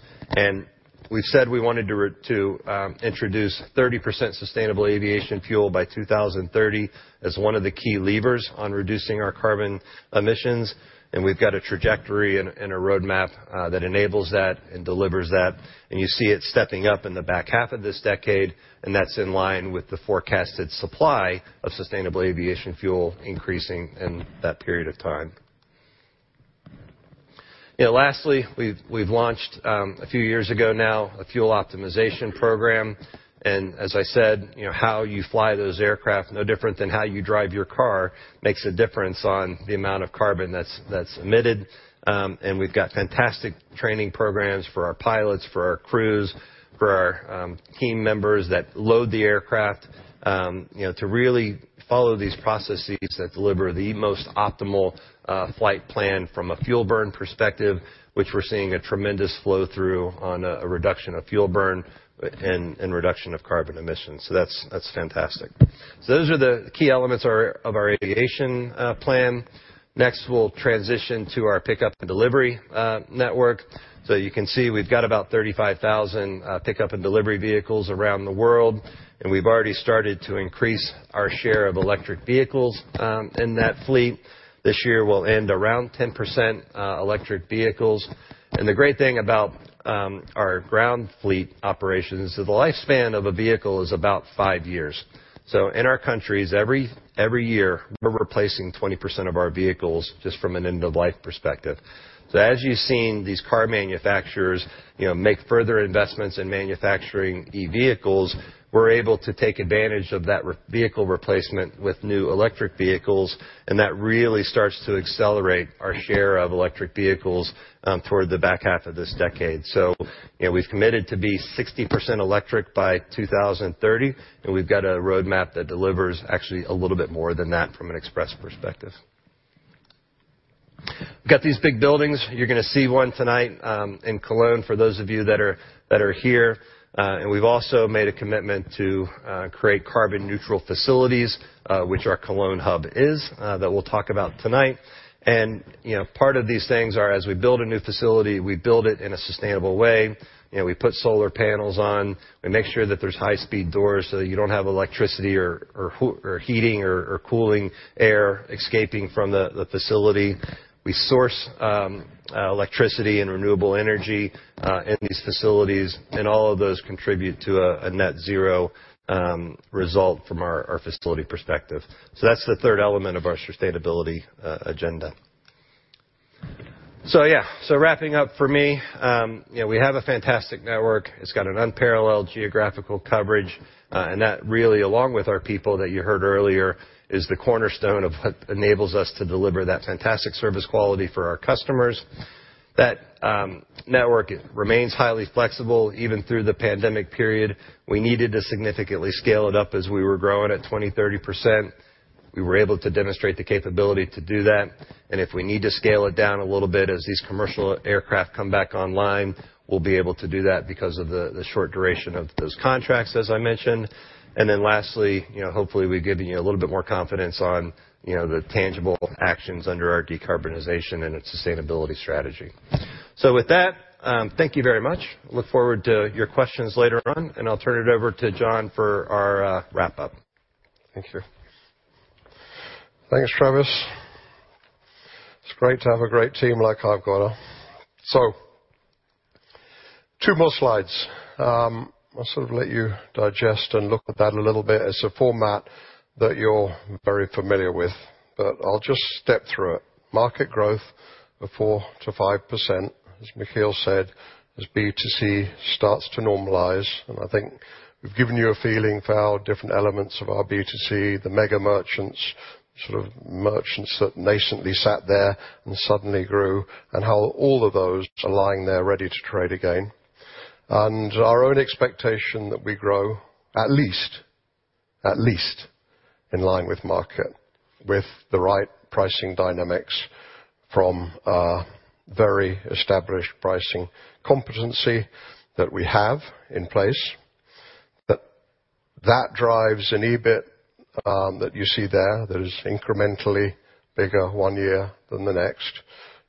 We've said we wanted to introduce 30% sustainable aviation fuel by 2030 as one of the key levers on reducing our carbon emissions, and we've got a trajectory and a roadmap that enables that and delivers that. You see it stepping up in the back half of this decade, and that's in line with the forecasted supply of sustainable aviation fuel increasing in that period of time. You know, lastly, we've launched a few years ago now, a fuel optimization program. As I said, you know, how you fly those aircraft, no different than how you drive your car, makes a difference on the amount of carbon that's emitted. We've got fantastic training programs for our pilots, for our crews, for our team members that load the aircraft, you know, to really follow these processes that deliver the most optimal flight plan from a fuel burn perspective, which we're seeing a tremendous flow-through on a reduction of fuel burn and reduction of carbon emissions. That's fantastic. Those are the key elements of our aviation plan. Next, we'll transition to our pickup and delivery network. You can see we've got about 35,000 pickup and delivery vehicles around the world, and we've already started to increase our share of electric vehicles in that fleet. This year will end around 10%, electric vehicles. The great thing about our ground fleet operations is the lifespan of a vehicle is about five years. In our countries, every year, we're replacing 20% of our vehicles just from an end-of-life perspective. As you've seen these car manufacturers, you know, make further investments in manufacturing e-vehicles, we're able to take advantage of that vehicle replacement with new electric vehicles, and that really starts to accelerate our share of electric vehicles toward the back half of this decade. You know, we've committed to be 60% electric by 2030, and we've got a roadmap that delivers actually a little bit more than that from an express perspective. We've got these big buildings. You're gonna see one tonight in Cologne, for those of you that are here. We've also made a commitment to create carbon neutral facilities, which our Cologne hub is, that we'll talk about tonight. You know, part of these things are as we build a new facility, we build it in a sustainable way. You know, we put solar panels on. We make sure that there's high-speed doors, so you don't have electricity or heating or cooling air escaping from the facility. We source electricity and renewable energy in these facilities, and all of those contribute to a net zero result from our facility perspective. That's the third element of our sustainability agenda. Yeah, wrapping up for me, you know, we have a fantastic network. It's got an unparalleled geographical coverage, and that really, along with our people that you heard earlier, is the cornerstone of what enables us to deliver that fantastic service quality for our customers. That network remains highly flexible even through the pandemic period. We needed to significantly scale it up as we were growing at 20%-30%. We were able to demonstrate the capability to do that. If we need to scale it down a little bit as these commercial aircraft come back online, we'll be able to do that because of the short duration of those contracts, as I mentioned. Lastly, you know, hopefully, we've given you a little bit more confidence on, you know, the tangible actions under our decarbonization and its sustainability strategy. With that, thank you very much. Look forward to your questions later on, and I'll turn it over to John for our wrap-up. Thank you. Thanks, Travis. It's great to have a great team like I've got. Two more slides. I'll sort of let you digest and look at that a little bit. It's a format that you're very familiar with, but I'll just step through it. Market growth of 4%-5%, as Michiel said, as B2C starts to normalize. I think we've given you a feeling for our different elements of our B2C, the mega merchants, sort of merchants that nascently sat there and suddenly grew, and how all of those are lying there ready to trade again. Our own expectation that we grow at least in line with market, with the right pricing dynamics from our very established pricing competency that we have in place. That drives an EBIT that you see there that is incrementally bigger one year than the next.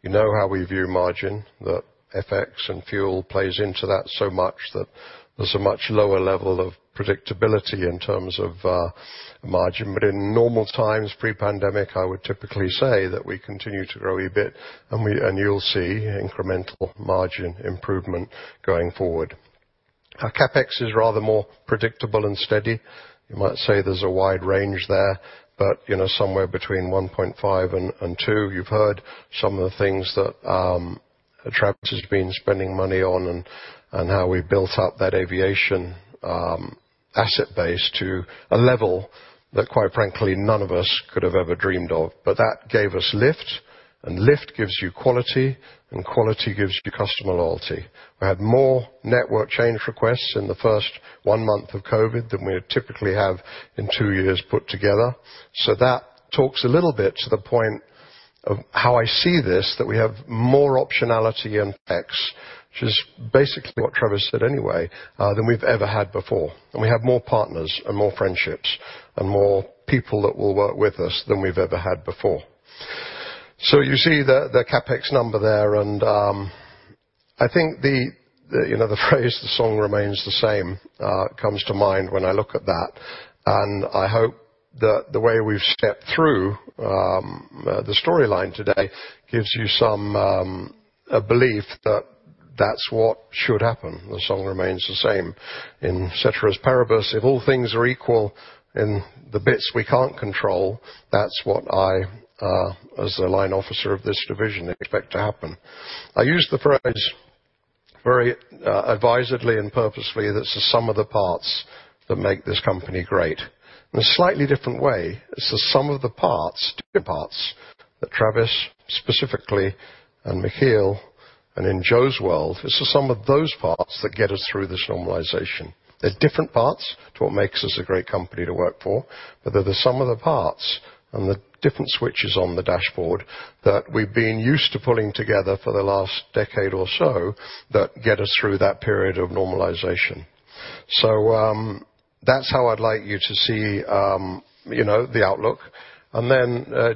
You know how we view margin, that FX and fuel plays into that so much that there's a much lower level of predictability in terms of margin. In normal times, pre-pandemic, I would typically say that we continue to grow EBIT and you'll see incremental margin improvement going forward. Our CapEx is rather more predictable and steady. You might say there's a wide range there, but you know, somewhere between 1.5 and 2. You've heard some of the things that Travis has been spending money on and how we built up that aviation asset base to a level that quite frankly none of us could have ever dreamed of. That gave us lift, and lift gives you quality, and quality gives you customer loyalty. We had more network change requests in the first 1 month of COVID than we would typically have in 2 years put together. That talks a little bit to the point of how I see this, that we have more optionality in CapEx, which is basically what Travis said anyway than we've ever had before. We have more partners and more friendships and more people that will work with us than we've ever had before. You see the CapEx number there, and I think you know the phrase the song remains the same comes to mind when I look at that. I hope that the way we've stepped through the storyline today gives you some a belief that that's what should happen. The song remains the same. In ceteris paribus, if all things are equal in the bits we can't control, that's what I, as the line officer of this division, expect to happen. I use the phrase very advisedly and purposefully that it's the sum of the parts that make this company great. In a slightly different way, it's the sum of the parts, different parts, that Travis specifically and Michiel, and in Joe's world, it's the sum of those parts that get us through this normalization. They're different parts to what makes us a great company to work for, but they're the sum of the parts and the different switches on the dashboard that we've been used to pulling together for the last decade or so that get us through that period of normalization. That's how I'd like you to see, you know, the outlook.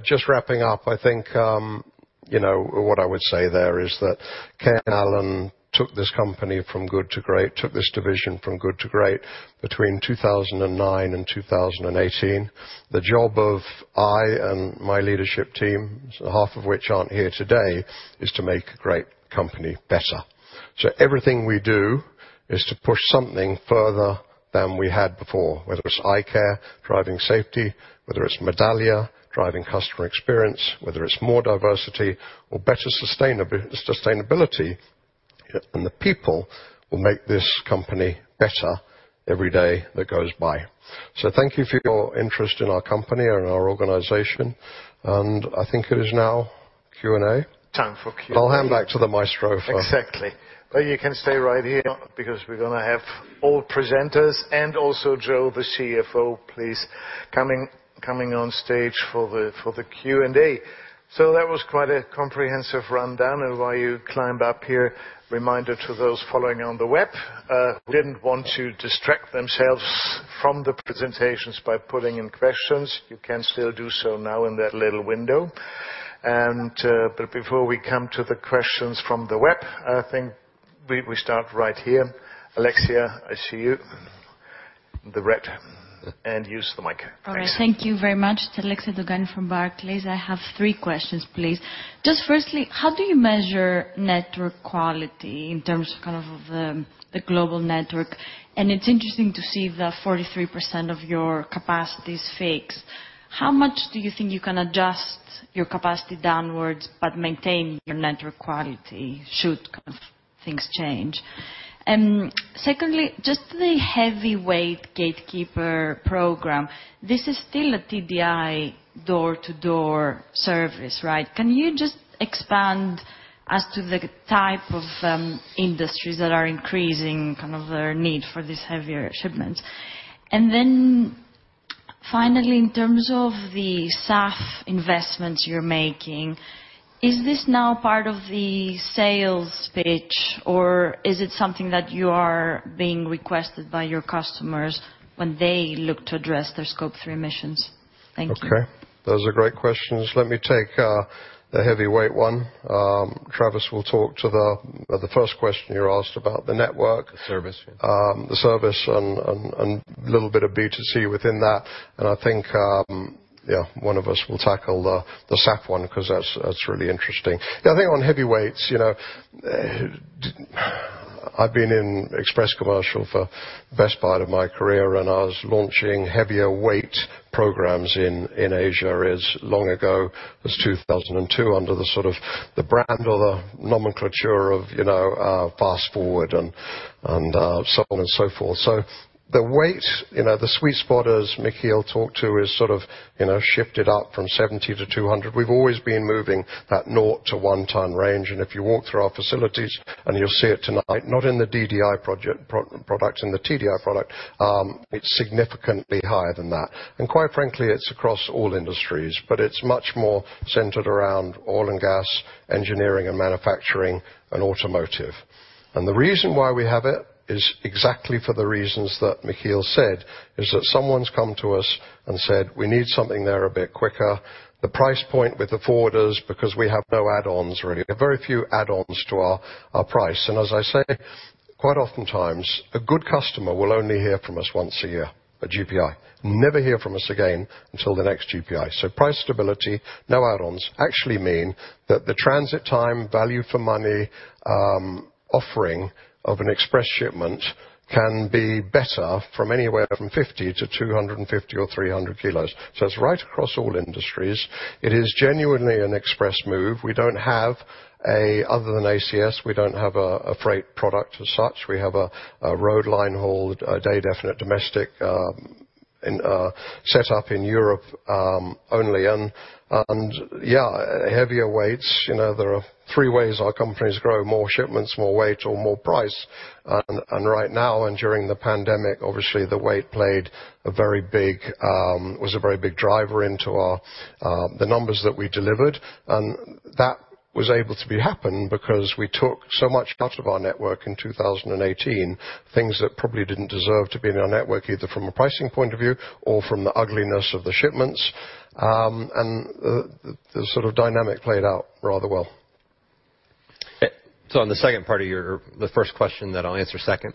Just wrapping up, I think, you know, what I would say there is that Ken Allen took this company from good to great, took this division from good to great between 2009 and 2018. The job of I and my leadership team, half of which aren't here today, is to make a great company better. Everything we do is to push something further than we had before, whether it's eyecare, driving safety, whether it's Medallia, driving customer experience, whether it's more diversity or better sustainability, and the people will make this company better every day that goes by. Thank you for your interest in our company and our organization, and I think it is now Q&A. Time for Q&A. I'll hand back to the maestro. Exactly. You can stay right here because we're gonna have all presenters and also Joe, the CFO, coming on stage for the Q&A. That was quite a comprehensive rundown. While you climb up here, reminder to those following on the web who didn't want to distract themselves from the presentations by putting in questions, you can still do so now in that little window. Before we come to the questions from the web, I think we start right here. Alexia, I see you. The red. Use the mic. Thanks. All right. Thank you very much. It's Alexia Dogani from Barclays. I have three questions, please. Just firstly, how do you measure network quality in terms of kind of the global network? It's interesting to see that 43% of your capacity is fixed. How much do you think you can adjust your capacity downwards but maintain your network quality should kind of things change? Secondly, just the heavyweight Gatekeeper program, this is still a TDI door-to-door service, right? Can you just expand as to the type of industries that are increasing kind of their need for these heavier shipments? Finally, in terms of the SAF investments you're making, is this now part of the sales pitch or is it something that you are being requested by your customers when they look to address their Scope 3 emissions? Thank you. Okay. Those are great questions. Let me take the heavyweight one. Travis will talk to the first question you asked about the network. The service. The service and little bit of B2C within that. I think one of us will tackle the SAF one 'cause that's really interesting. I think on heavyweights, you know, I've been in express commercial for best part of my career, and I was launching heavier weight programs in Asia as long ago as 2002 under the sort of the brand or the nomenclature of, you know, Fast Forward and so on and so forth. The weight, you know, the sweet spot, as Michiel talked to is sort of, you know, shifted up from 70 to 200. We've always been moving that 0 to 1 ton range. If you walk through our facilities, you'll see it tonight, not in the DDI products, in the TDI product, it's significantly higher than that. Quite frankly, it's across all industries. It's much more centered around oil and gas, engineering and manufacturing, and automotive. The reason why we have it is exactly for the reasons that Michiel said, is that someone's come to us and said, "We need something there a bit quicker." The price point with the forwarders, because we have no add-ons really. Very few add-ons to our price. As I say, quite oftentimes, a good customer will only hear from us once a year at GPI. Never hear from us again until the next GPI. Price stability, no add-ons actually mean that the transit time value for money offering of an express shipment can be better from anywhere from 50 to 250 or 300 kilos. It's right across all industries. It is genuinely an express move. Other than ACS, we don't have a freight product as such. We have a road line haul, a date definite domestic in set up in Europe only and yeah heavier weights. You know, there are three ways our companies grow: more shipments, more weight, or more price. Right now and during the pandemic, obviously, the weight was a very big driver into the numbers that we delivered. That was able to be happen because we took so much out of our network in 2018, things that probably didn't deserve to be in our network, either from a pricing point of view or from the ugliness of the shipments. The sort of dynamic played out rather well. On the second part of the first question that I'll answer second.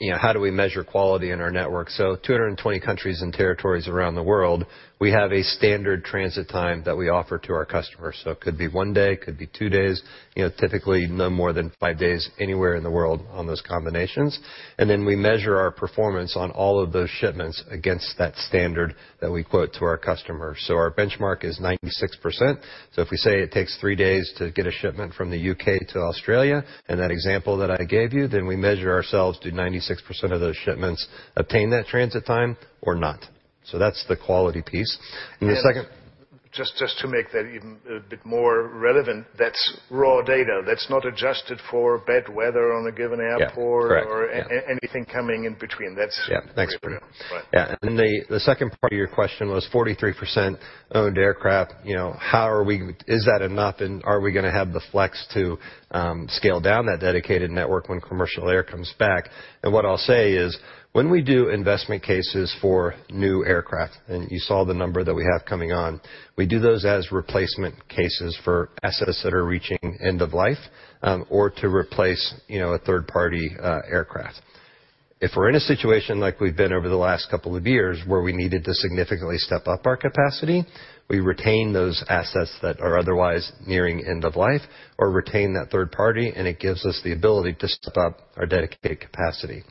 You know, how do we measure quality in our network? 220 countries and territories around the world, we have a standard transit time that we offer to our customers. It could be one day, could be two days, you know, typically no more than five days anywhere in the world on those combinations. Then we measure our performance on all of those shipments against that standard that we quote to our customers. Our benchmark is 96%. If we say it takes three days to get a shipment from the UK to Australia, in that example that I gave you, then we measure ourselves, do 96% of those shipments obtain that transit time or not? That's the quality piece. Just to make that even a bit more relevant. That's raw data. That's not adjusted for bad weather on a given airport. Yeah. Correct. Anything coming in between. Yeah. Thanks, John. Right. Yeah. The second part of your question was 43% owned aircraft. You know, is that enough, and are we gonna have the flex to scale down that dedicated network when commercial air comes back? What I'll say is, when we do investment cases for new aircraft, and you saw the number that we have coming on, we do those as replacement cases for assets that are reaching end of life or to replace, you know, a third-party aircraft. If we're in a situation like we've been over the last couple of years, where we needed to significantly step up our capacity, we retain those assets that are otherwise nearing end of life or retain that third party, and it gives us the ability to step up our dedicated capacity.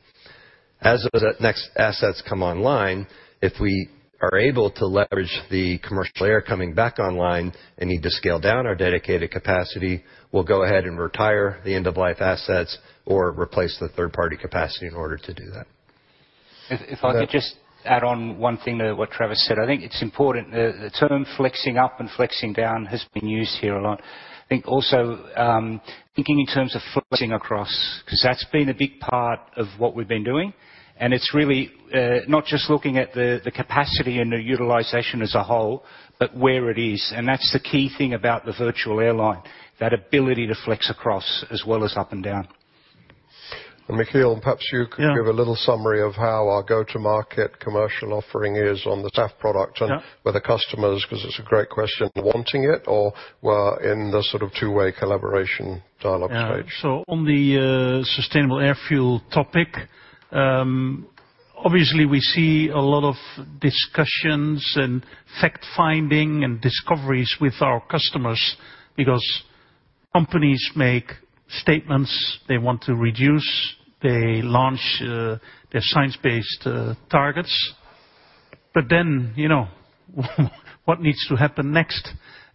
As those next assets come online, if we are able to leverage the commercial air coming back online and need to scale down our dedicated capacity, we'll go ahead and retire the end-of-life assets or replace the third-party capacity in order to do that. If I could just add on one thing to what Travis said. I think it's important, the term flexing up and flexing down has been used here a lot. I think also, thinking in terms of flexing across, 'cause that's been a big part of what we've been doing. It's really, not just looking at the capacity and the utilization as a whole, but where it is. That's the key thing about the virtual airline, that ability to flex across as well as up and down. Michiel, perhaps you could. Yeah. Give a little summary of how our go-to-market commercial offering is on the SAF product. Yeah. Whether customers, 'cause it's a great question, wanting it or we're in the sort of two-way collaboration dialogue stage. On the sustainable aviation fuel topic, obviously, we see a lot of discussions and fact-finding and discoveries with our customers because companies make statements they want to reduce. They launch their science-based targets. You know, what needs to happen next?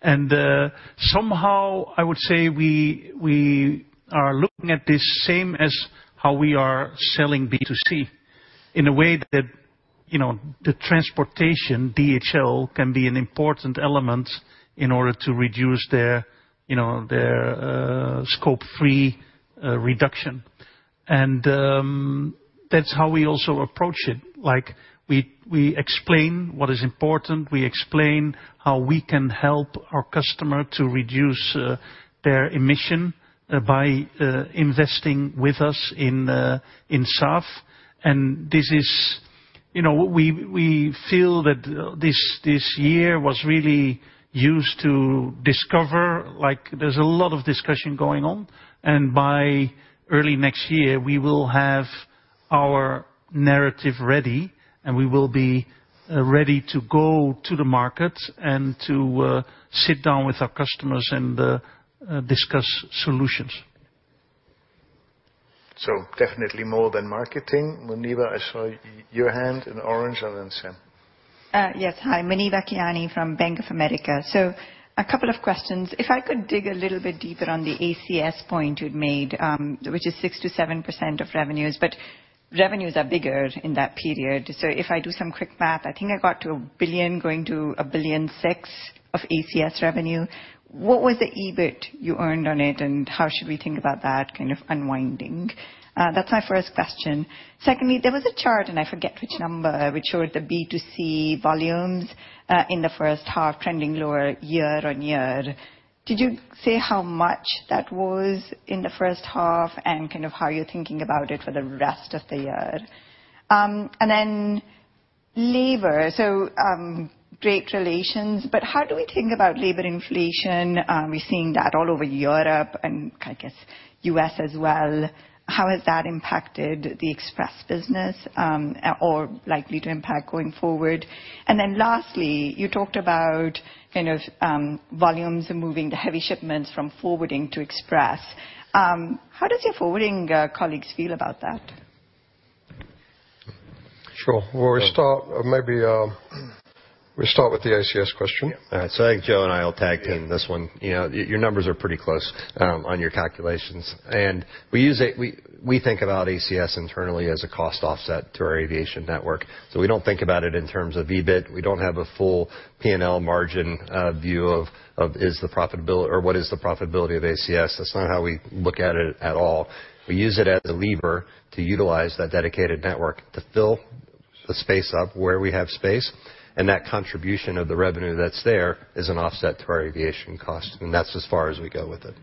Somehow, I would say we are looking at this same as how we are selling B2C, in a way that, you know, the transportation, DHL, can be an important element in order to reduce their, you know, their Scope 3 reduction. That's how we also approach it. Like we explain what is important. We explain how we can help our customer to reduce their emission by investing with us in SAF. This is, you know, we feel that this year was really used to discover, like, there's a lot of discussion going on. By early next year, we will have Our narrative ready, and we will be ready to go to the market and to sit down with our customers and discuss solutions. Definitely more than marketing. Muneeba, I saw your hand in orange, and then Sam. Hi, Muneeba Kayani from Bank of America. A couple of questions. If I could dig a little bit deeper on the ACS point you'd made, which is 6%-7% of revenues, but revenues are bigger in that period. If I do some quick math, I think I got to 1 billion to 1.6 billion of ACS revenue. What was the EBIT on it, and how should we think about that kind of unwinding? That's my first question. Secondly, there was a chart, and I forget which number, which showed the B2C volumes in the first half trending lower year-over-year. Did you say how much that was in the first half and kind of how you're thinking about it for the rest of the year? And then labor. Great relations. How do we think about labor inflation? We're seeing that all over Europe and I guess U.S. as well. How has that impacted the express business, or likely to impact going forward? Lastly, you talked about kind of volumes and moving the heavy shipments from forwarding to express. How does your forwarding colleagues feel about that? Sure. Maybe we start with the ACS question. Yeah. I think Joe and I will tag team this one. You know, your numbers are pretty close on your calculations. We use it. We think about ACS internally as a cost offset to our aviation network. We don't think about it in terms of EBIT. We don't have a full P&L margin view of what is the profitability or what is the profitability of ACS. That's not how we look at it at all. We use it as a lever to utilize that dedicated network to fill the space up where we have space, and that contribution of the revenue that's there is an offset to our aviation costs, and that's as far as we go with it.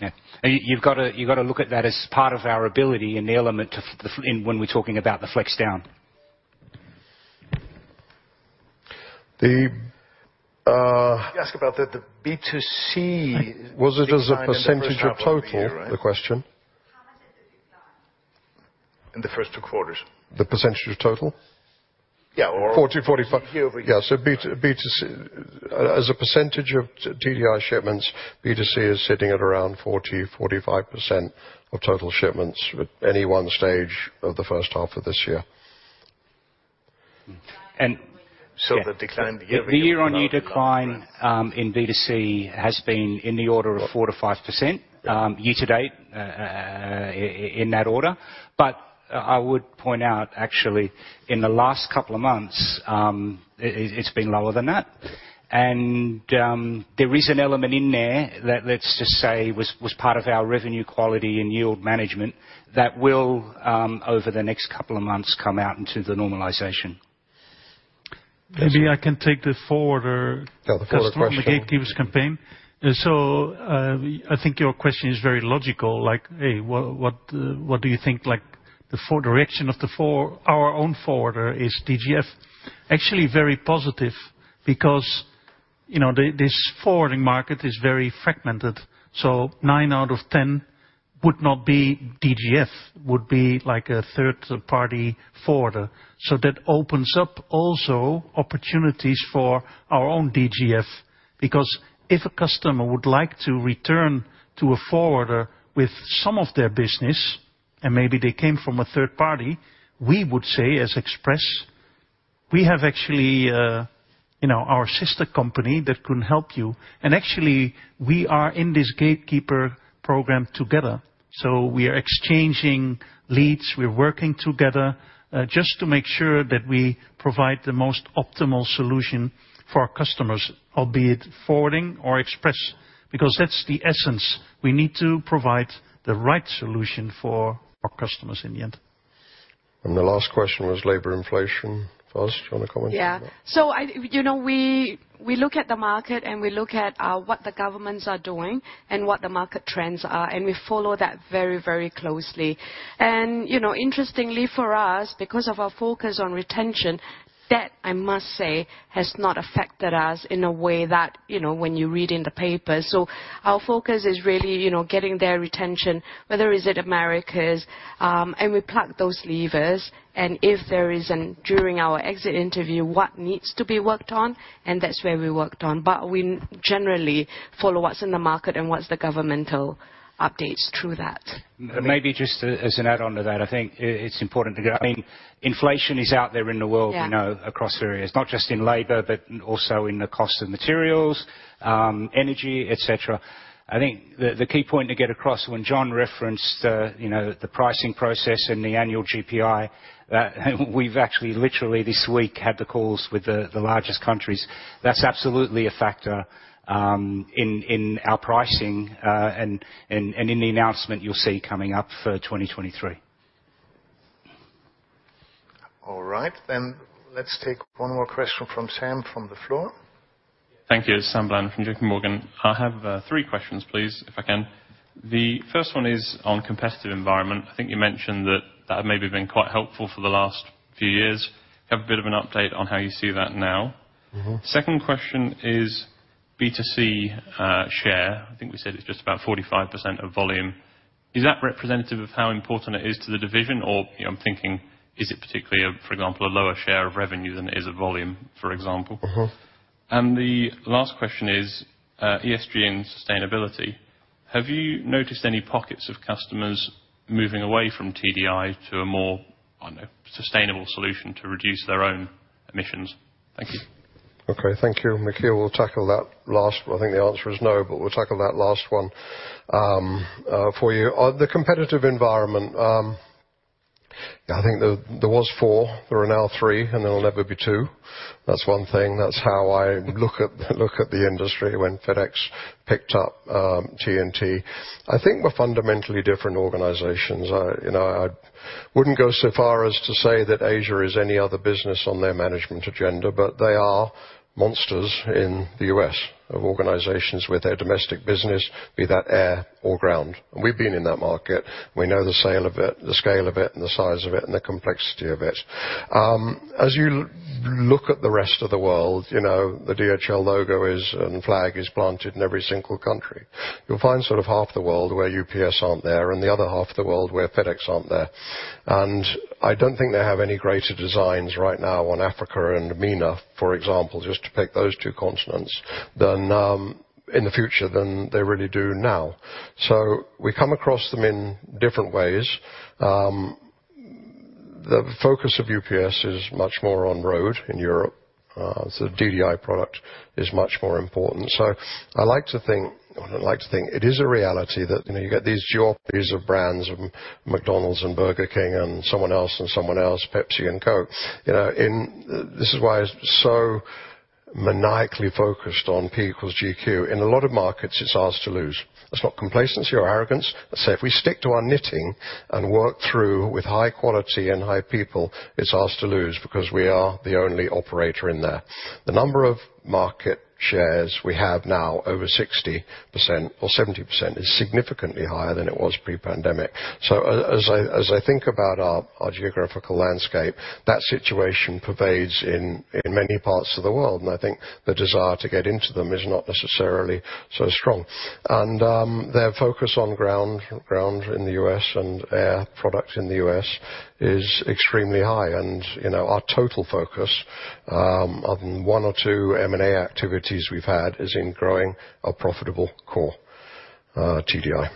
Yeah. You've got to look at that as part of our ability and the element of fitting in when we're talking about the flex down. The, uh- You asked about the B2C. Was it as a percentage of total, the question? How much has it declined? In the first two quarters. The percentage of total? Yeah. Forty, forty-fi- Here over- As a percentage of TDI shipments, B2C is sitting at around 40%-45% of total shipments at any one stage of the first half of this year. And- The decline year-over-year. The year-on-year decline in B2C has been in the order of 4%-5%, year to date, in that order. I would point out actually in the last couple of months, it's been lower than that. There is an element in there that, let's just say, was part of our revenue quality and yield management that will, over the next couple of months come out into the normalization. Maybe I can take the forwarder. The forwarder question. Customer and the Gatekeepers campaign. I think your question is very logical, like, "Hey, what do you think?" Like, the forward direction of our own forwarder is DGF actually very positive because, you know, this forwarding market is very fragmented. Nine out of ten would not be DGF, would be like a third-party forwarder. That opens up also opportunities for our own DGF. Because if a customer would like to return to a forwarder with some of their business, and maybe they came from a third party, we would say, as Express, "We have actually, you know, our sister company that can help you. And actually, we are in this Gatekeepers program together." We are exchanging leads. We're working together, just to make sure that we provide the most optimal solution for our customers, be it forwarding or express. Because that's the essence. We need to provide the right solution for our customers in the end. The last question was labor inflation. Fazlin, do you want to comment on that? Yeah. I, you know, we look at the market, and we look at what the governments are doing and what the market trends are, and we follow that very, very closely. You know, interestingly for us, because of our focus on retention, that, I must say, has not affected us in a way that, you know, when you read in the paper. Our focus is really, you know, getting their retention, whether is it Americas, and we pluck those levers, and if there isn't during our exit interview what needs to be worked on, and that's where we worked on. We generally follow what's in the market and what's the governmental updates through that. Maybe just as an add-on to that. I think it's important to. I mean, inflation is out there in the world. Yeah. You know, across areas. Not just in labor, but also in the cost of materials, energy, et cetera. I think the key point to get across when John referenced, you know, the pricing process and the annual GPI, we've actually literally this week had the calls with the largest countries. That's absolutely a factor in our pricing, and in the announcement you'll see coming up for 2023. All right. Let's take one more question from Sam from the floor. Thank you. Sam Bland from J.P. Morgan. I have three questions please, if I can. The first one is on competitive environment. I think you mentioned that had maybe been quite helpful for the last few years. Have a bit of an update on how you see that now? Mm-hmm. Second question is. B2C share, I think we said it's just about 45% of volume. Is that representative of how important it is to the division, or, you know, I'm thinking, is it particularly, for example, a lower share of revenue than it is of volume, for example? Mm-hmm. The last question is, ESG and sustainability. Have you noticed any pockets of customers moving away from TDI to a more, I don't know, sustainable solution to reduce their own emissions? Thank you. Okay, thank you, Michiel. I think the answer is no, but we'll tackle that last one for you. On the competitive environment, I think there was four. There are now three, and there will never be two. That's one thing. That's how I look at the industry when FedEx picked up TNT. I think we're fundamentally different organizations. You know, I wouldn't go so far as to say that Asia is any other business on their management agenda, but they are monsters in the U.S. of organizations with their domestic business, be that air or ground. We've been in that market. We know the scale of it, the scale of it and the size of it, and the complexity of it. As you look at the rest of the world, you know, the DHL logo is and flag is planted in every single country. You'll find sort of half the world where UPS aren't there, and the other half of the world where FedEx aren't there. I don't think they have any greater designs right now on Africa and MENA, for example, just to pick those two continents, than in the future than they really do now. We come across them in different ways. The focus of UPS is much more on road in Europe. DDI product is much more important. I like to think it is a reality that, you know, you get these geographies of brands, McDonald's and Burger King and someone else and someone else, Pepsi and Coke. You know, this is why it's so maniacally focused on P equals GQ. In a lot of markets, it's ours to lose. That's not complacency or arrogance. Say, if we stick to our knitting and work through with high quality and high people, it's ours to lose because we are the only operator in there. The number of market shares we have now over 60% or 70% is significantly higher than it was pre-pandemic. As I think about our geographical landscape, that situation pervades in many parts of the world, and I think the desire to get into them is not necessarily so strong. Their focus on ground in the U.S. and air products in the U.S. is extremely high. You know, our total focus on one or two M&A activities we've had is in growing our profitable core, TDI.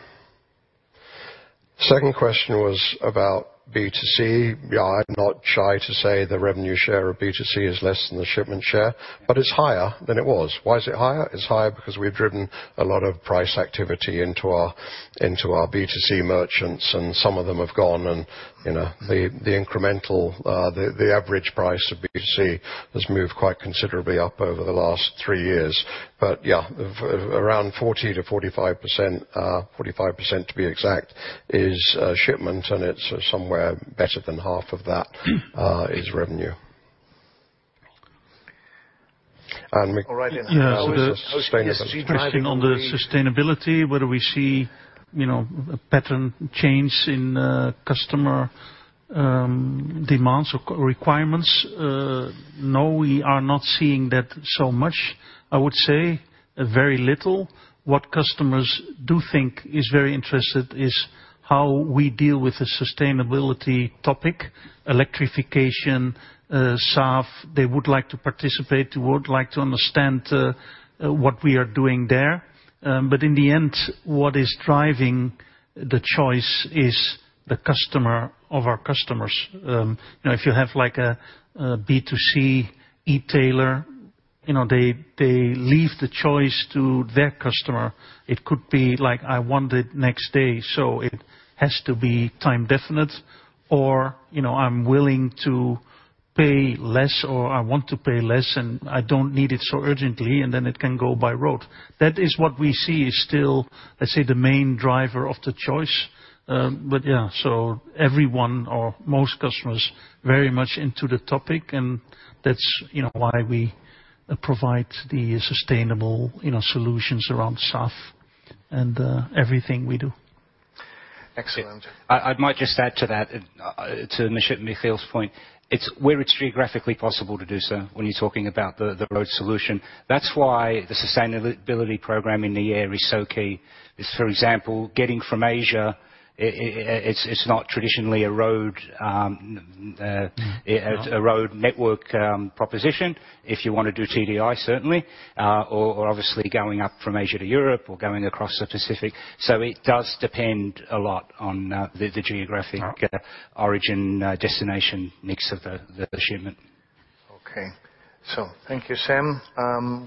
Second question was about B2C. Yeah, I'm not shy to say the revenue share of B2C is less than the shipment share, but it's higher than it was. Why is it higher? It's higher because we've driven a lot of price activity into our B2C merchants, and some of them have gone. You know, the incremental, the average price of B2C has moved quite considerably up over the last three years. But yeah, around 40%-45%, 45% to be exact, is shipment, and it's somewhere better than half of that is revenue. All right. Sustainability. Question on the sustainability, whether we see pattern change in customer demands or requirements. No, we are not seeing that so much. I would say very little. What customers do think is very interesting is how we deal with the sustainability topic. Electrification, SAF, they would like to participate. They would like to understand what we are doing there. In the end, what is driving the choice is the customer of our customers. You know, if you have like a B2C e-tailer, you know, they leave the choice to their customer. It could be like, I want it next day, so it has to be time definite. Or, you know, I'm willing to pay less or I want to pay less and I don't need it so urgently, and then it can go by road. That is what we see is still, let's say, the main driver of the choice. But yeah. Everyone or most customers very much into the topic and that's, you know, why we provide the sustainable, you know, solutions around SAF and everything we do. Excellent. I might just add to that, to Michiel's point. It's where it's geographically possible to do so when you're talking about the road solution. That's why the sustainability program in the air is so key, for example, getting from Asia. It's not traditionally a road network proposition. If you wanna do TDI, certainly. Or obviously going up from Asia to Europe or going across the Pacific. It does depend a lot on the geographic origin-destination mix of the shipment. Okay. So thank you, Sam.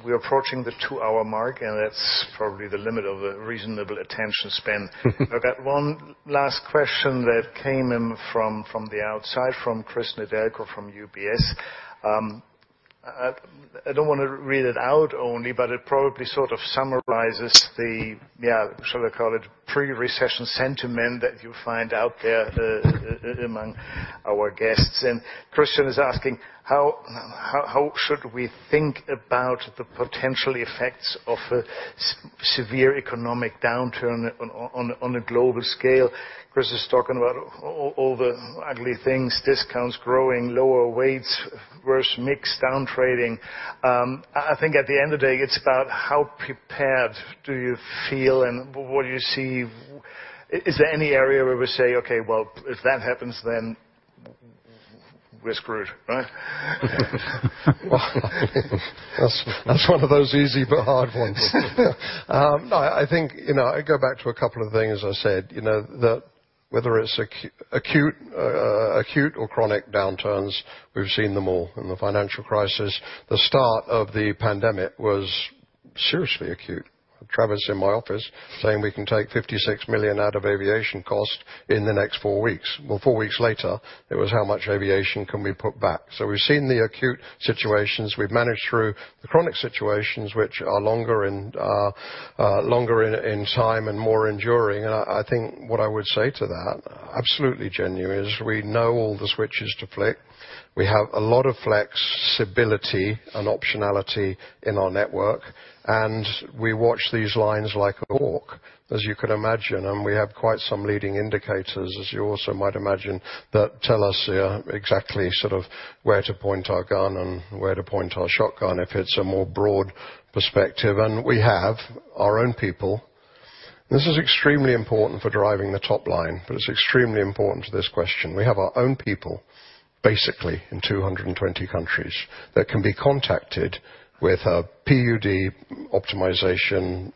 We're approaching the two-hour mark, and that's probably the limit of a reasonable attention span. I've got one last question that came in from the outside, from Cristian Nedelcu from UBS. I don't wanna read it out only, but it probably sort of summarizes the, yeah, shall I call it pre-recession sentiment that you find out there among our guests. Cristian is asking, how should we think about the potential effects of, Severe economic downturn on a global scale. Chris is talking about all the ugly things, discounts growing, lower weights, worse mix down trading. I think at the end of the day, it's about how prepared do you feel and what do you see? Is there any area where we say, "Okay, well, if that happens, then we're screwed," right? That's one of those easy but hard ones. I think, you know, I go back to a couple of things I said, you know, that whether it's acute or chronic downturns, we've seen them all. In the financial crisis, the start of the pandemic was seriously acute. Travis in my office saying we can take 56 million out of aviation costs in the next four weeks. Well, four weeks later, it was how much aviation can we put back? We've seen the acute situations. We've managed through the chronic situations, which are longer and are longer in time and more enduring. I think what I would say to that, absolutely genuine, is we know all the switches to flick. We have a lot of flexibility and optionality in our network, and we watch these lines like a hawk, as you can imagine. We have quite some leading indicators, as you also might imagine, that tell us exactly sort of where to point our gun and where to point our shotgun if it's a more broad perspective. We have our own people. This is extremely important for driving the top line, but it's extremely important to this question. We have our own people, basically in 220 countries, that can be contacted with a PUD optimization,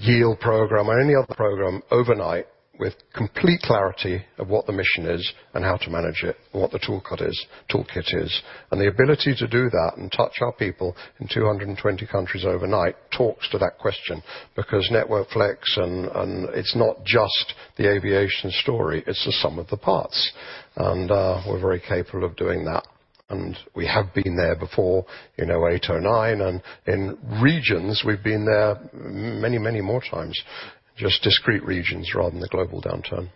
yield program, or any other program overnight with complete clarity of what the mission is and how to manage it and what the toolkit is. The ability to do that and touch our people in 220 countries overnight talks to that question because Network Flex and it's not just the aviation story, it's the sum of the parts. We're very capable of doing that. We have been there before in 2008, 2009, and in regions, we've been there many more times, just discrete regions rather than the global downturn.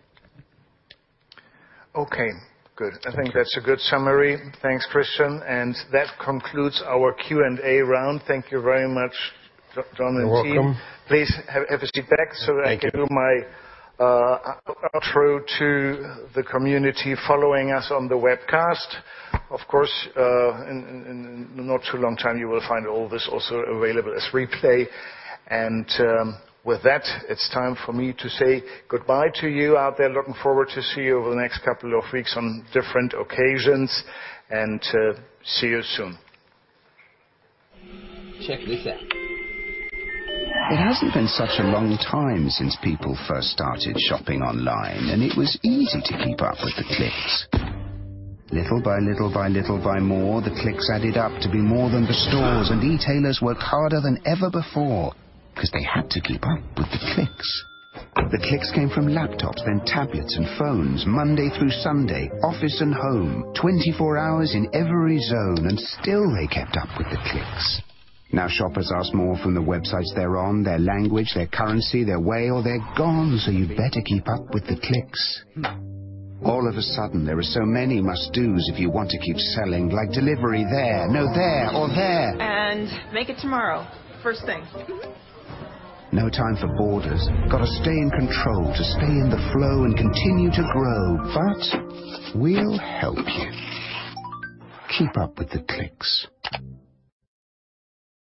Okay, good. I think that's a good summary. Thanks, Cristian. That concludes our Q&A round. Thank you very much, John and team. You're welcome. Please have a seat. Thank you. I can do my outro to the community following us on the webcast. Of course, in not too long time you will find all this also available as replay. With that, it's time for me to say goodbye to you out there. Looking forward to see you over the next couple of weeks on different occasions and see you soon.